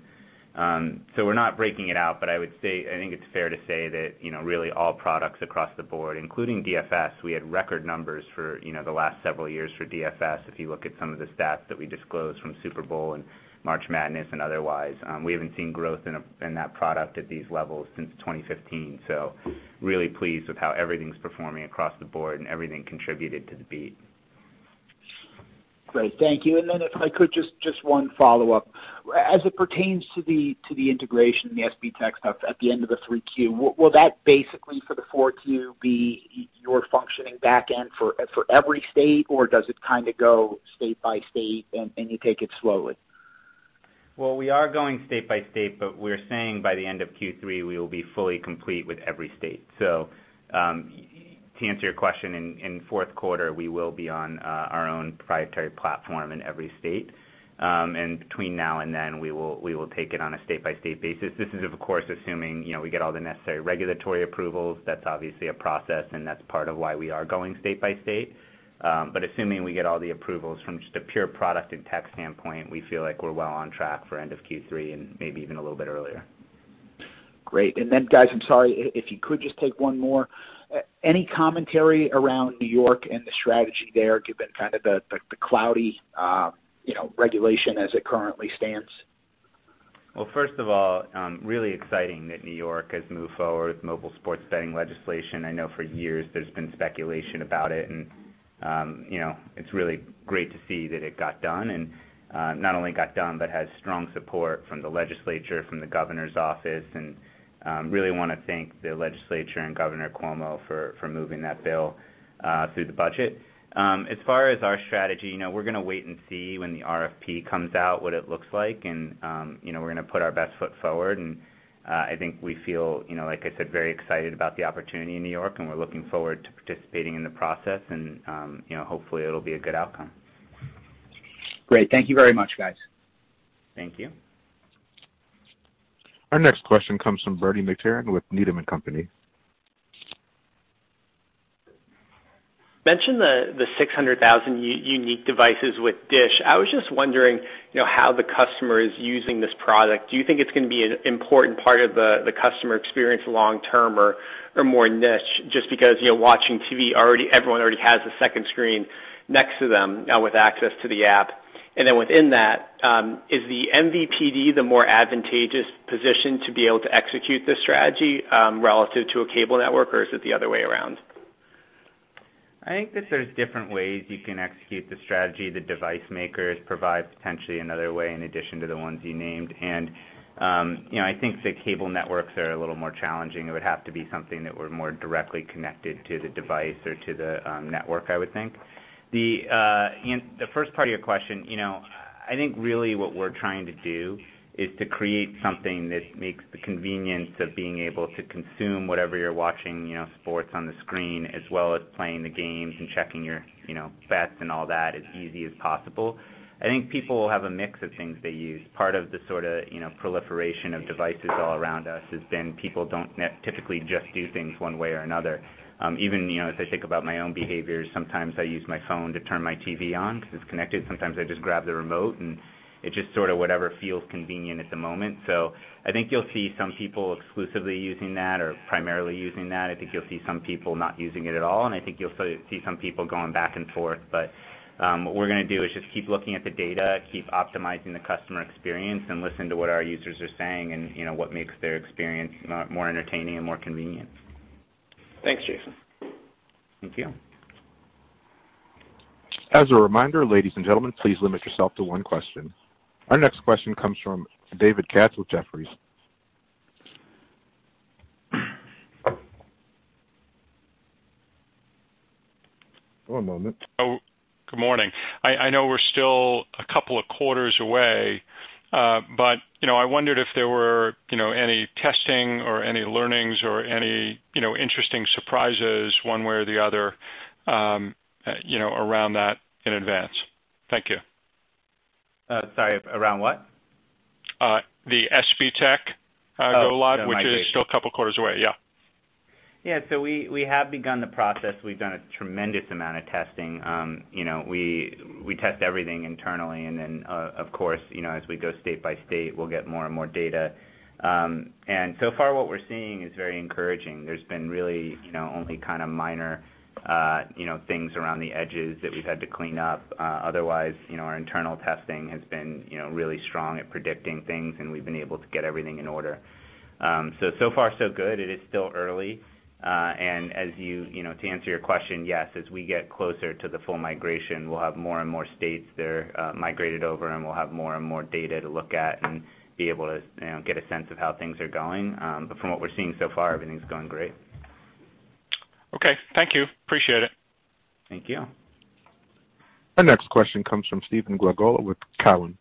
We're not breaking it out, but I think it's fair to say that really all products across the board, including DFS, we had record numbers for the last several years for DFS, if you look at some of the stats that we disclosed from Super Bowl and March Madness and otherwise. We haven't seen growth in that product at these levels since 2015. Really pleased with how everything's performing across the board and everything contributed to the beat.
Great. Thank you. If I could, just one follow-up. As it pertains to the integration of the SBTech stuff at the end of the 3Q, will that basically, for the 4Q, be your functioning backend for every state, or does it kind of go state by state and you take it slowly?
Well, we are going state by state, but we're saying by the end of Q3, we will be fully complete with every state. To answer your question, in fourth quarter, we will be on our own proprietary platform in every state. Between now and then, we will take it on a state-by-state basis. This is, of course, assuming we get all the necessary regulatory approvals. That's obviously a process, and that's part of why we are going state by state. Assuming we get all the approvals, from just a pure product and tech standpoint, we feel like we're well on track for end of Q3, and maybe even a little bit earlier.
Great. Guys, I'm sorry, if you could just take one more. Any commentary around New York and the strategy there, given kind of the cloudy regulation as it currently stands?
Well, first of all, really exciting that New York has moved forward with mobile sports betting legislation. I know for years there's been speculation about it, and it's really great to see that it got done, and not only got done, but has strong support from the legislature, from the governor's office, and really want to thank the legislature and Andrew Cuomo for moving that bill through the budget. As far as our strategy, we're going to wait and see when the RFP comes out, what it looks like, and we're going to put our best foot forward. I think we feel, like I said, very excited about the opportunity in New York, and we're looking forward to participating in the process, and hopefully it'll be a good outcome.
Great. Thank you very much, guys.
Thank you.
Our next question comes from Bernie McTernan with Needham & Company.
You mentioned the 600,000 unique devices with Dish. I was just wondering how the customer is using this product. Do you think it's going to be an important part of the customer experience long-term or more niche just because watching TV, everyone already has a second screen next to them now with access to the app. Within that, is the MVPD the more advantageous position to be able to execute this strategy, relative to a cable network or is it the other way around?
I think that there's different ways you can execute the strategy. The device makers provide potentially another way in addition to the ones you named. I think the cable networks are a little more challenging. It would have to be something that we're more directly connected to the device or to the network, I would think. The first part of your question, I think really what we're trying to do is to create something that makes the convenience of being able to consume whatever you're watching, sports on the screen as well as playing the games and checking your bets and all that as easy as possible. I think people have a mix of things they use. Part of the sort of proliferation of devices all around us has been people don't typically just do things one way or another. Even as I think about my own behavior, sometimes I use my phone to turn my TV on because it's connected. Sometimes I just grab the remote and it's just sort of whatever feels convenient at the moment. I think you'll see some people exclusively using that or primarily using that. I think you'll see some people not using it at all, and I think you'll see some people going back and forth. What we're going to do is just keep looking at the data, keep optimizing the customer experience, and listen to what our users are saying and what makes their experience more entertaining and more convenient.
Thanks, Jason.
Thank you.
As a reminder, ladies and gentlemen, please limit yourself to one question. Our next question comes from David Katz with Jefferies. One moment.
Good morning. I know we're still a couple of quarters away. I wondered if there were any testing or any learnings or any interesting surprises one way or the other around that in advance. Thank you.
Sorry, around what?
The SBTech go live
Oh, the migration.
which is still a couple quarters away. Yeah.
Yeah. We have begun the process. We've done a tremendous amount of testing. We test everything internally then, of course, as we go state by state, we'll get more and more data. So far what we're seeing is very encouraging. There's been really only kind of minor things around the edges that we've had to clean up. Otherwise, our internal testing has been really strong at predicting things and we've been able to get everything in order. So far so good. It is still early. To answer your question, yes, as we get closer to the full migration, we'll have more and more states that are migrated over and we'll have more and more data to look at and be able to get a sense of how things are going. From what we're seeing so far, everything's going great.
Okay. Thank you. Appreciate it.
Thank you.
Our next question comes from Stephen Glagola with Cowen.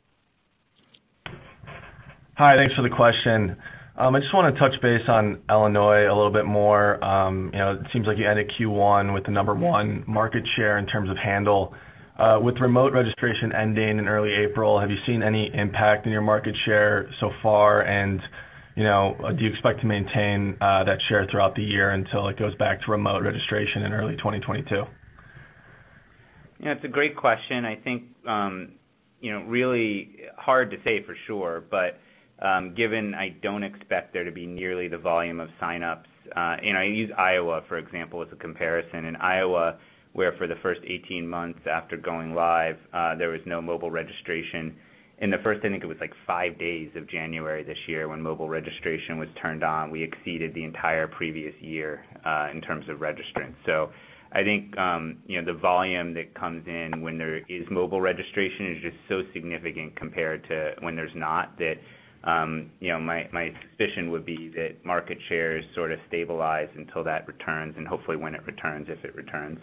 Hi, thanks for the question. I just want to touch base on Illinois a little bit more. It seems like you had a Q1 with the number one market share in terms of handle. With remote registration ending in early April, have you seen any impact in your market share so far? Do you expect to maintain that share throughout the year until it goes back to remote registration in early 2022?
It's a great question. I think, really hard to say for sure, but given I don't expect there to be nearly the volume of sign-ups. I use Iowa, for example, as a comparison. In Iowa, where for the first 18 months after going live, there was no mobile registration. In the first, I think, it was like five days of January this year when mobile registration was turned on, we exceeded the entire previous year, in terms of registrants. I think the volume that comes in when there is mobile registration is just so significant compared to when there's not that, my suspicion would be that market shares sort of stabilize until that returns and hopefully when it returns, if it returns.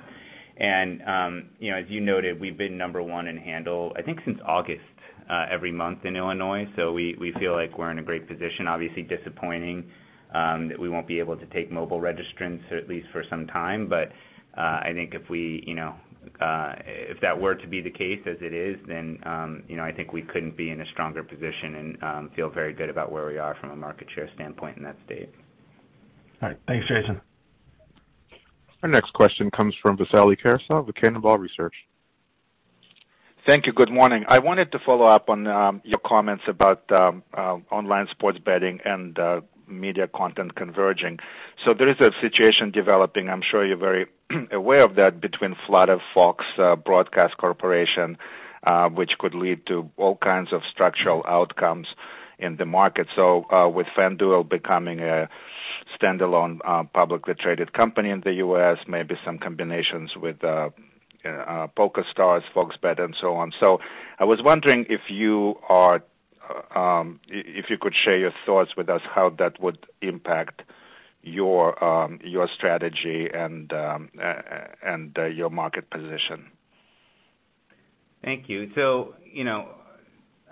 As you noted, we've been number one in handle, I think since August, every month in Illinois. We feel like we're in a great position, obviously disappointing, that we won't be able to take mobile registrants at least for some time. I think if that were to be the case as it is, then I think we couldn't be in a stronger position and feel very good about where we are from a market share standpoint in that state.
All right. Thanks, Jason.
Our next question comes from Vasily Karasyov with Cannonball Research.
Thank you. Good morning. I wanted to follow up on your comments about online sports betting and media content converging. There is a situation developing, I'm sure you're very aware of that between Flutter, Fox Corporation, which could lead to all kinds of structural outcomes in the market. With FanDuel becoming a standalone publicly traded company in the U.S., maybe some combinations with PokerStars, Fox Bet, and so on. I was wondering if you could share your thoughts with us, how that would impact your strategy and your market position.
Thank you.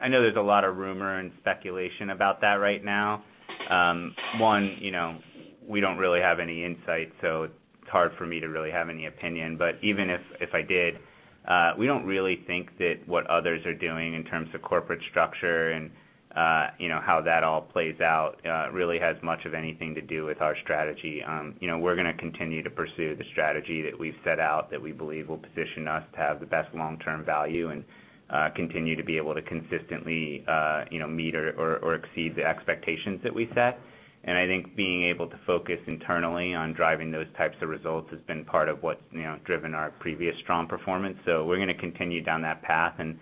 I know there's a lot of rumor and speculation about that right now. One, we don't really have any insight, so it's hard for me to really have any opinion, but even if I did. We don't really think that what others are doing in terms of corporate structure and how that all plays out really has much of anything to do with our strategy. We're going to continue to pursue the strategy that we've set out that we believe will position us to have the best long-term value and continue to be able to consistently meet or exceed the expectations that we set. I think being able to focus internally on driving those types of results has been part of what's driven our previous strong performance. We're going to continue down that path, and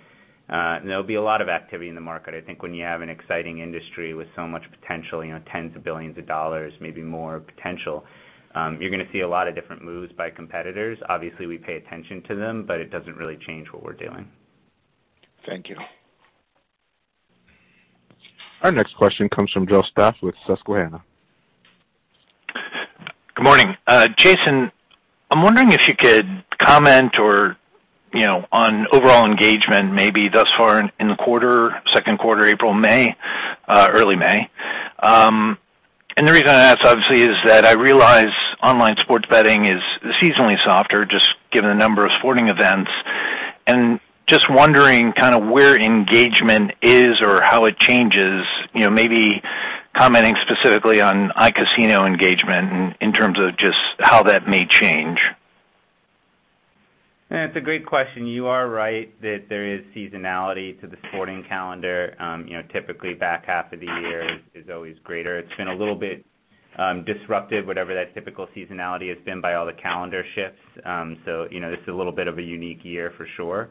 there'll be a lot of activity in the market. I think when you have an exciting industry with so much potential, tens of billions of dollars, maybe more potential, you're going to see a lot of different moves by competitors. Obviously, we pay attention to them, it doesn't really change what we're doing.
Thank you.
Our next question comes from Joe Stauff with Susquehanna International Group.
Good morning. Jason, I'm wondering if you could comment on overall engagement, maybe thus far in the quarter, second quarter, April, May, early May. The reason I ask, obviously, is that I realize online sports betting is seasonally softer, just given the number of sporting events. Just wondering where engagement is or how it changes, maybe commenting specifically on iGaming engagement in terms of just how that may change.
It's a great question. You are right that there is seasonality to the sporting calendar. Typically, the back half of the year is always greater. It's been a little bit disruptive, whatever that typical seasonality has been, by all the calendar shifts. This is a little bit of a unique year for sure.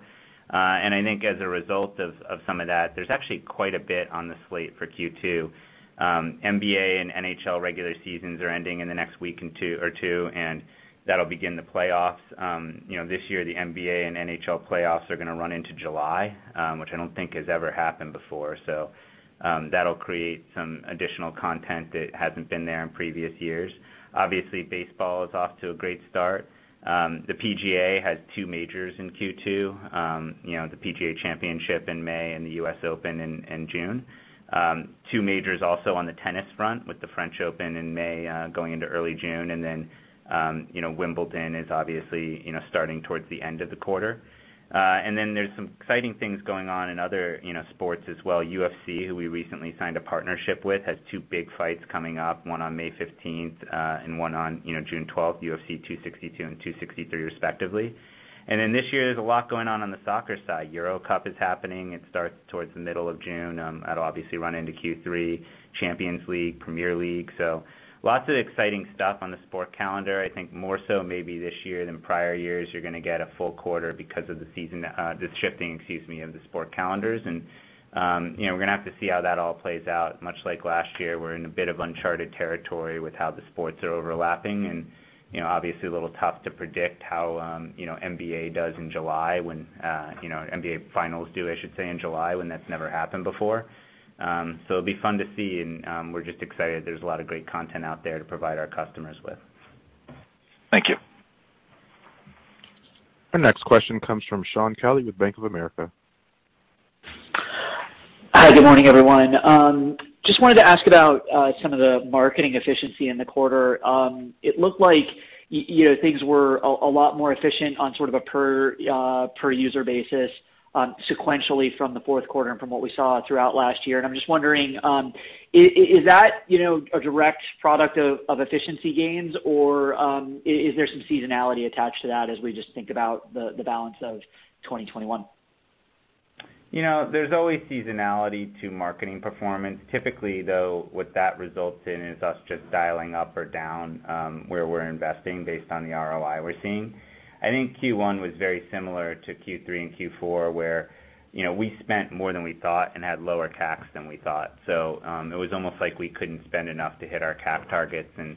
I think as a result of some of that, there's actually quite a bit on the slate for Q2. NBA and NHL regular seasons are ending in the next week or two, and that'll begin the playoffs. This year, the NBA and NHL playoffs are going to run into July, which I don't think has ever happened before. That'll create some additional content that hasn't been there in previous years. Obviously, baseball is off to a great start. The PGA has two majors in Q2, the PGA Championship in May and the U.S. Open in June. Two majors also on the tennis front with the French Open in May, going into early June. Wimbledon is obviously starting towards the end of the quarter. There's some exciting things going on in other sports as well. UFC, who we recently signed a partnership with, has two big fights coming up, one on May 15th and one on June 12th, UFC 262 and 263, respectively. This year, there's a lot going on on the soccer side. Euro Cup is happening. It starts towards the middle of June. That'll obviously run into Q3, Champions League, Premier League. Lots of exciting stuff on the sport calendar. I think more so maybe this year than prior years, you're going to get a full quarter because of the shifting of the sport calendars. We're going to have to see how that all plays out. Much like last year, we're in a bit of uncharted territory with how the sports are overlapping, and obviously, a little tough to predict how NBA does in July when NBA finals due, I should say, in July, when that's never happened before. It'll be fun to see, and we're just excited there's a lot of great content out there to provide our customers with.
Thank you.
Our next question comes from Shaun Kelley with Bank of America.
Hi. Good morning, everyone. Just wanted to ask about some of the marketing efficiency in the quarter. It looked like things were a lot more efficient on sort of a per user basis sequentially from the fourth quarter and from what we saw throughout last year. I'm just wondering, is that a direct product of efficiency gains, or is there some seasonality attached to that as we just think about the balance of 2021?
There's always seasonality to marketing performance. Typically, though, what that results in is us just dialing up or down where we're investing based on the ROI we're seeing. I think Q1 was very similar to Q3 and Q4, where we spent more than we thought and had lower CAC than we thought. It was almost like we couldn't spend enough to hit our CAC targets, and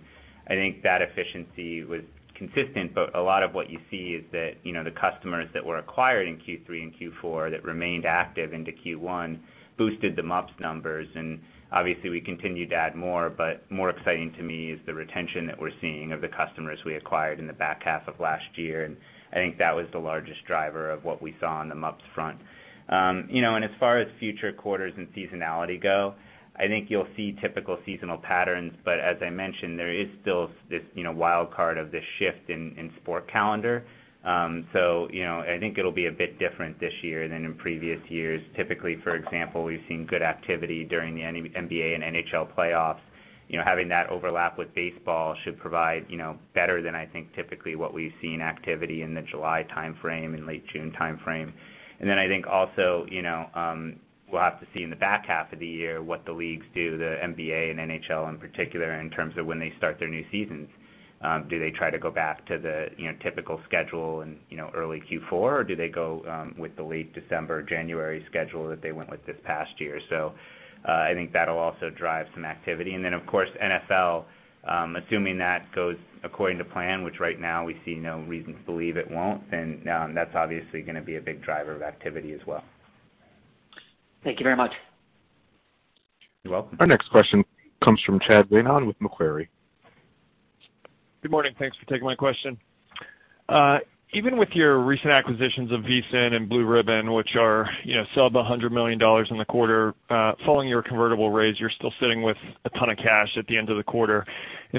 I think that efficiency was consistent. A lot of what you see is that the customers that were acquired in Q3 and Q4 that remained active into Q1 boosted the MUPs numbers, and obviously, we continued to add more. More exciting to me is the retention that we're seeing of the customers we acquired in the back half of last year, and I think that was the largest driver of what we saw on the MUPs front. As far as future quarters and seasonality go, I think you'll see typical seasonal patterns, but as I mentioned, there is still this wild card of this shift in sport calendar. I think it'll be a bit different this year than in previous years. Typically, for example, we've seen good activity during the NBA and NHL playoffs. Having that overlap with baseball should provide better than I think typically what we've seen activity in the July timeframe and late June timeframe. Then I think also, we'll have to see in the back half of the year what the leagues do, the NBA and NHL in particular, in terms of when they start their new seasons. Do they try to go back to the typical schedule in early Q4, or do they go with the late December, January schedule that they went with this past year? I think that'll also drive some activity. Of course, NFL, assuming that goes according to plan, which right now we see no reason to believe it won't, then that's obviously going to be a big driver of activity as well.
Thank you very much.
You're welcome.
Our next question comes from Chad Beynon with Macquarie.
Good morning. Thanks for taking my question. Even with your recent acquisitions of VSiN and Blue Ribbon, which are sub $100 million in the quarter, following your convertible raise, you're still sitting with a ton of cash at the end of the quarter.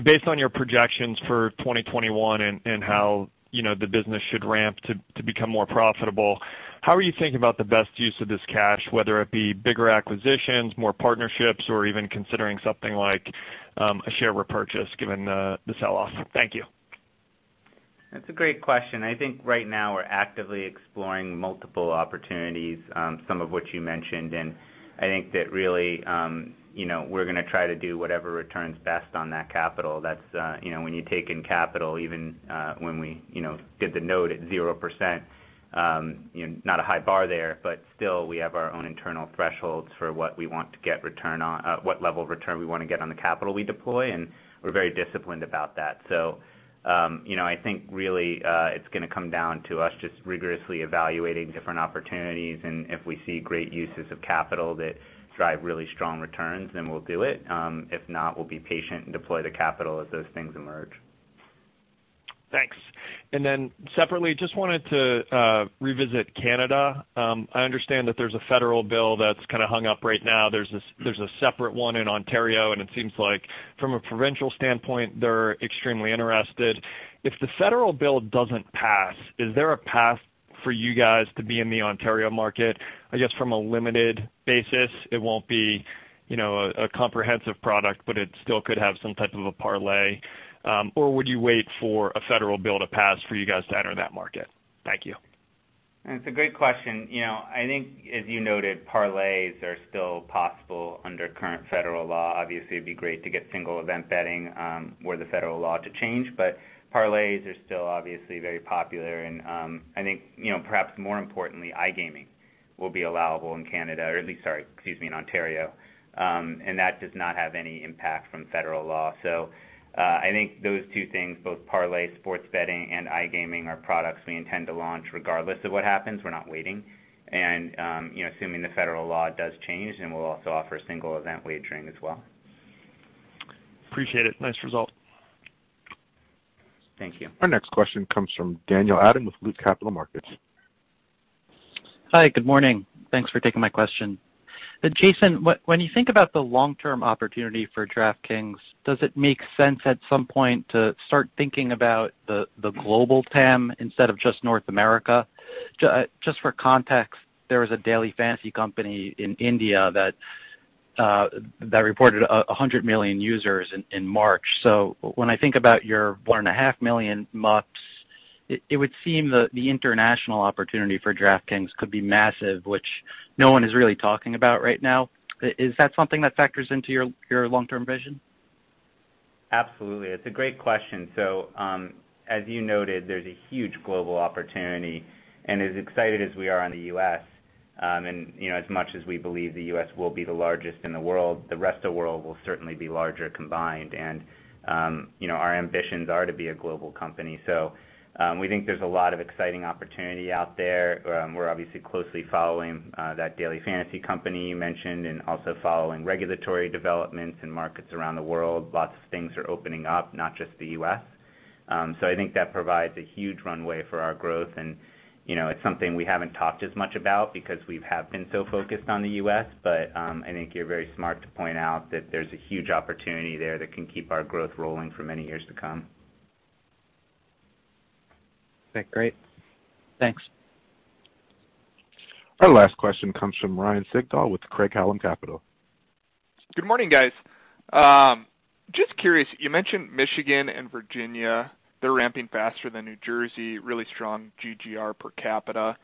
Based on your projections for 2021 and how the business should ramp to become more profitable, how are you thinking about the best use of this cash, whether it be bigger acquisitions, more partnerships, or even considering something like a share repurchase, given the sell-off? Thank you.
That's a great question. I think right now we're actively exploring multiple opportunities, some of which you mentioned. I think that really, we're going to try to do whatever returns best on that capital. When you take in capital, even when we did the note at 0%, not a high bar there, but still, we have our own internal thresholds for what level of return we want to get on the capital we deploy, and we're very disciplined about that. I think really it's going to come down to us just rigorously evaluating different opportunities, and if we see great uses of capital that drive really strong returns, then we'll do it. If not, we'll be patient and deploy the capital as those things emerge.
Thanks. Separately, just wanted to revisit Canada. I understand that there's a federal bill that's kind of hung up right now. There's a separate one in Ontario, and it seems like from a provincial standpoint, they're extremely interested. If the federal bill doesn't pass, is there a path for you guys to be in the Ontario market? I guess from a limited basis, it won't be a comprehensive product, but it still could have some type of a parlay. Would you wait for a federal bill to pass for you guys to enter that market? Thank you.
It's a great question. I think, as you noted, parlays are still possible under current federal law. Obviously, it'd be great to get single event betting were the federal law to change. Parlays are still obviously very popular and, I think, perhaps more importantly, iGaming will be allowable in Canada or at least, sorry, excuse me, in Ontario. That does not have any impact from federal law. I think those two things, both parlay sports betting and iGaming, are products we intend to launch regardless of what happens. We're not waiting. Assuming the federal law does change, then we'll also offer single event wagering as well.
Appreciate it. Nice result.
Thank you.
Our next question comes from Daniel Adam with Loop Capital Markets.
Hi, good morning. Thanks for taking my question. Jason, when you think about the long-term opportunity for DraftKings, does it make sense at some point to start thinking about the global TAM instead of just North America? Just for context, there is a daily fantasy company in India that reported 100 million users in March. When I think about your one and a half million MUPs, it would seem the international opportunity for DraftKings could be massive, which no one is really talking about right now. Is that something that factors into your long-term vision?
Absolutely. It's a great question. As you noted, there's a huge global opportunity. As excited as we are on the U.S., and as much as we believe the U.S. will be the largest in the world, the rest of the world will certainly be larger combined. Our ambitions are to be a global company. We think there's a lot of exciting opportunity out there. We're obviously closely following that daily fantasy company you mentioned and also following regulatory developments in markets around the world. Lots of things are opening up, not just the U.S. I think that provides a huge runway for our growth, and it's something we haven't talked as much about because we have been so focused on the U.S. I think you're very smart to point out that there's a huge opportunity there that can keep our growth rolling for many years to come.
Okay, great. Thanks.
Our last question comes from Ryan Sigdahl with Craig-Hallum Capital.
Good morning, guys. Just curious, you mentioned Michigan and Virginia, they're ramping faster than New Jersey, really strong GGR per capita.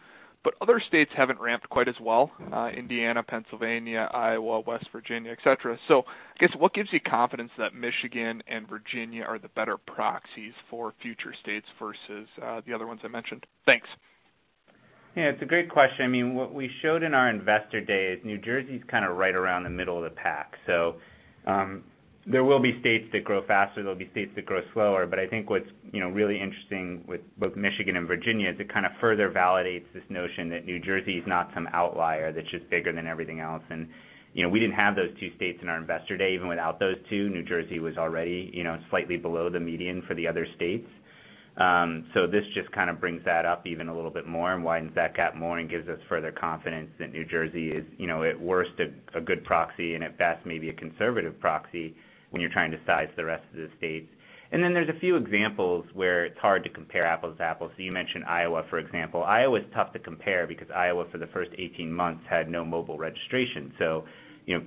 Other states haven't ramped quite as well. Indiana, Pennsylvania, Iowa, West Virginia, et cetera. I guess, what gives you confidence that Michigan and Virginia are the better proxies for future states versus the other ones I mentioned? Thanks.
Yeah, it's a great question. What we showed in our investor day is New Jersey's kind of right around the middle of the pack. There will be states that grow faster, there'll be states that grow slower. I think what's really interesting with both Michigan and Virginia is it kind of further validates this notion that New Jersey is not some outlier that's just bigger than everything else. We didn't have those two states in our investor day. Even without those two, New Jersey was already slightly below the median for the other states. This just kind of brings that up even a little bit more and widens that gap more and gives us further confidence that New Jersey is at worst, a good proxy, and at best, maybe a conservative proxy when you're trying to size the rest of the states. There's a few examples where it's hard to compare apples to apples. You mentioned Iowa, for example. Iowa is tough to compare because Iowa, for the first 18 months, had no mobile registration.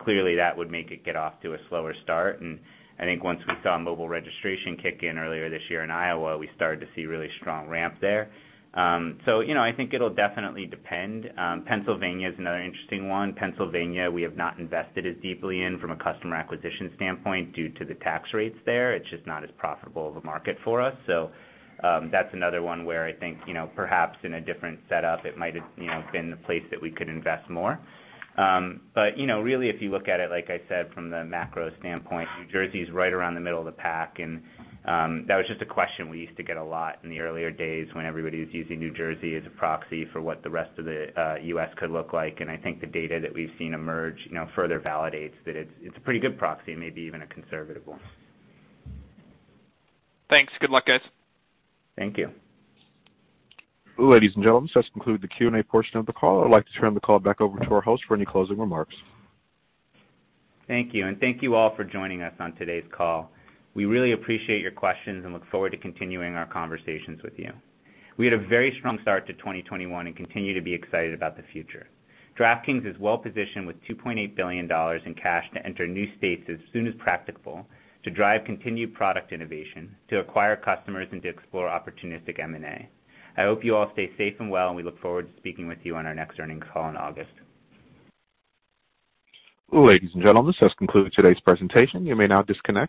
Clearly, that would make it get off to a slower start, and I think once we saw mobile registration kick in earlier this year in Iowa, we started to see really strong ramp there. I think it'll definitely depend. Pennsylvania is another interesting one. Pennsylvania, we have not invested as deeply in from a customer acquisition standpoint due to the tax rates there. It's just not as profitable of a market for us. That's another one where I think perhaps in a different setup, it might have been a place that we could invest more. Really, if you look at it, like I said, from the macro standpoint, New Jersey's right around the middle of the pack, and that was just a question we used to get a lot in the earlier days when everybody was using New Jersey as a proxy for what the rest of the U.S. could look like, and I think the data that we've seen emerge further validates that it's a pretty good proxy, maybe even a conservative one.
Thanks. Good luck, guys.
Thank you.
Ladies and gentlemen, this does conclude the Q&A portion of the call. I'd like to turn the call back over to our host for any closing remarks.
Thank you. Thank you all for joining us on today's call. We really appreciate your questions and look forward to continuing our conversations with you. We had a very strong start to 2021 and continue to be excited about the future. DraftKings is well-positioned with $2.8 billion in cash to enter new states as soon as practicable, to drive continued product innovation, to acquire customers, and to explore opportunistic M&A. I hope you all stay safe and well, and we look forward to speaking with you on our next earnings call in August.
Ladies and gentlemen, this does conclude today's presentation. You may now disconnect.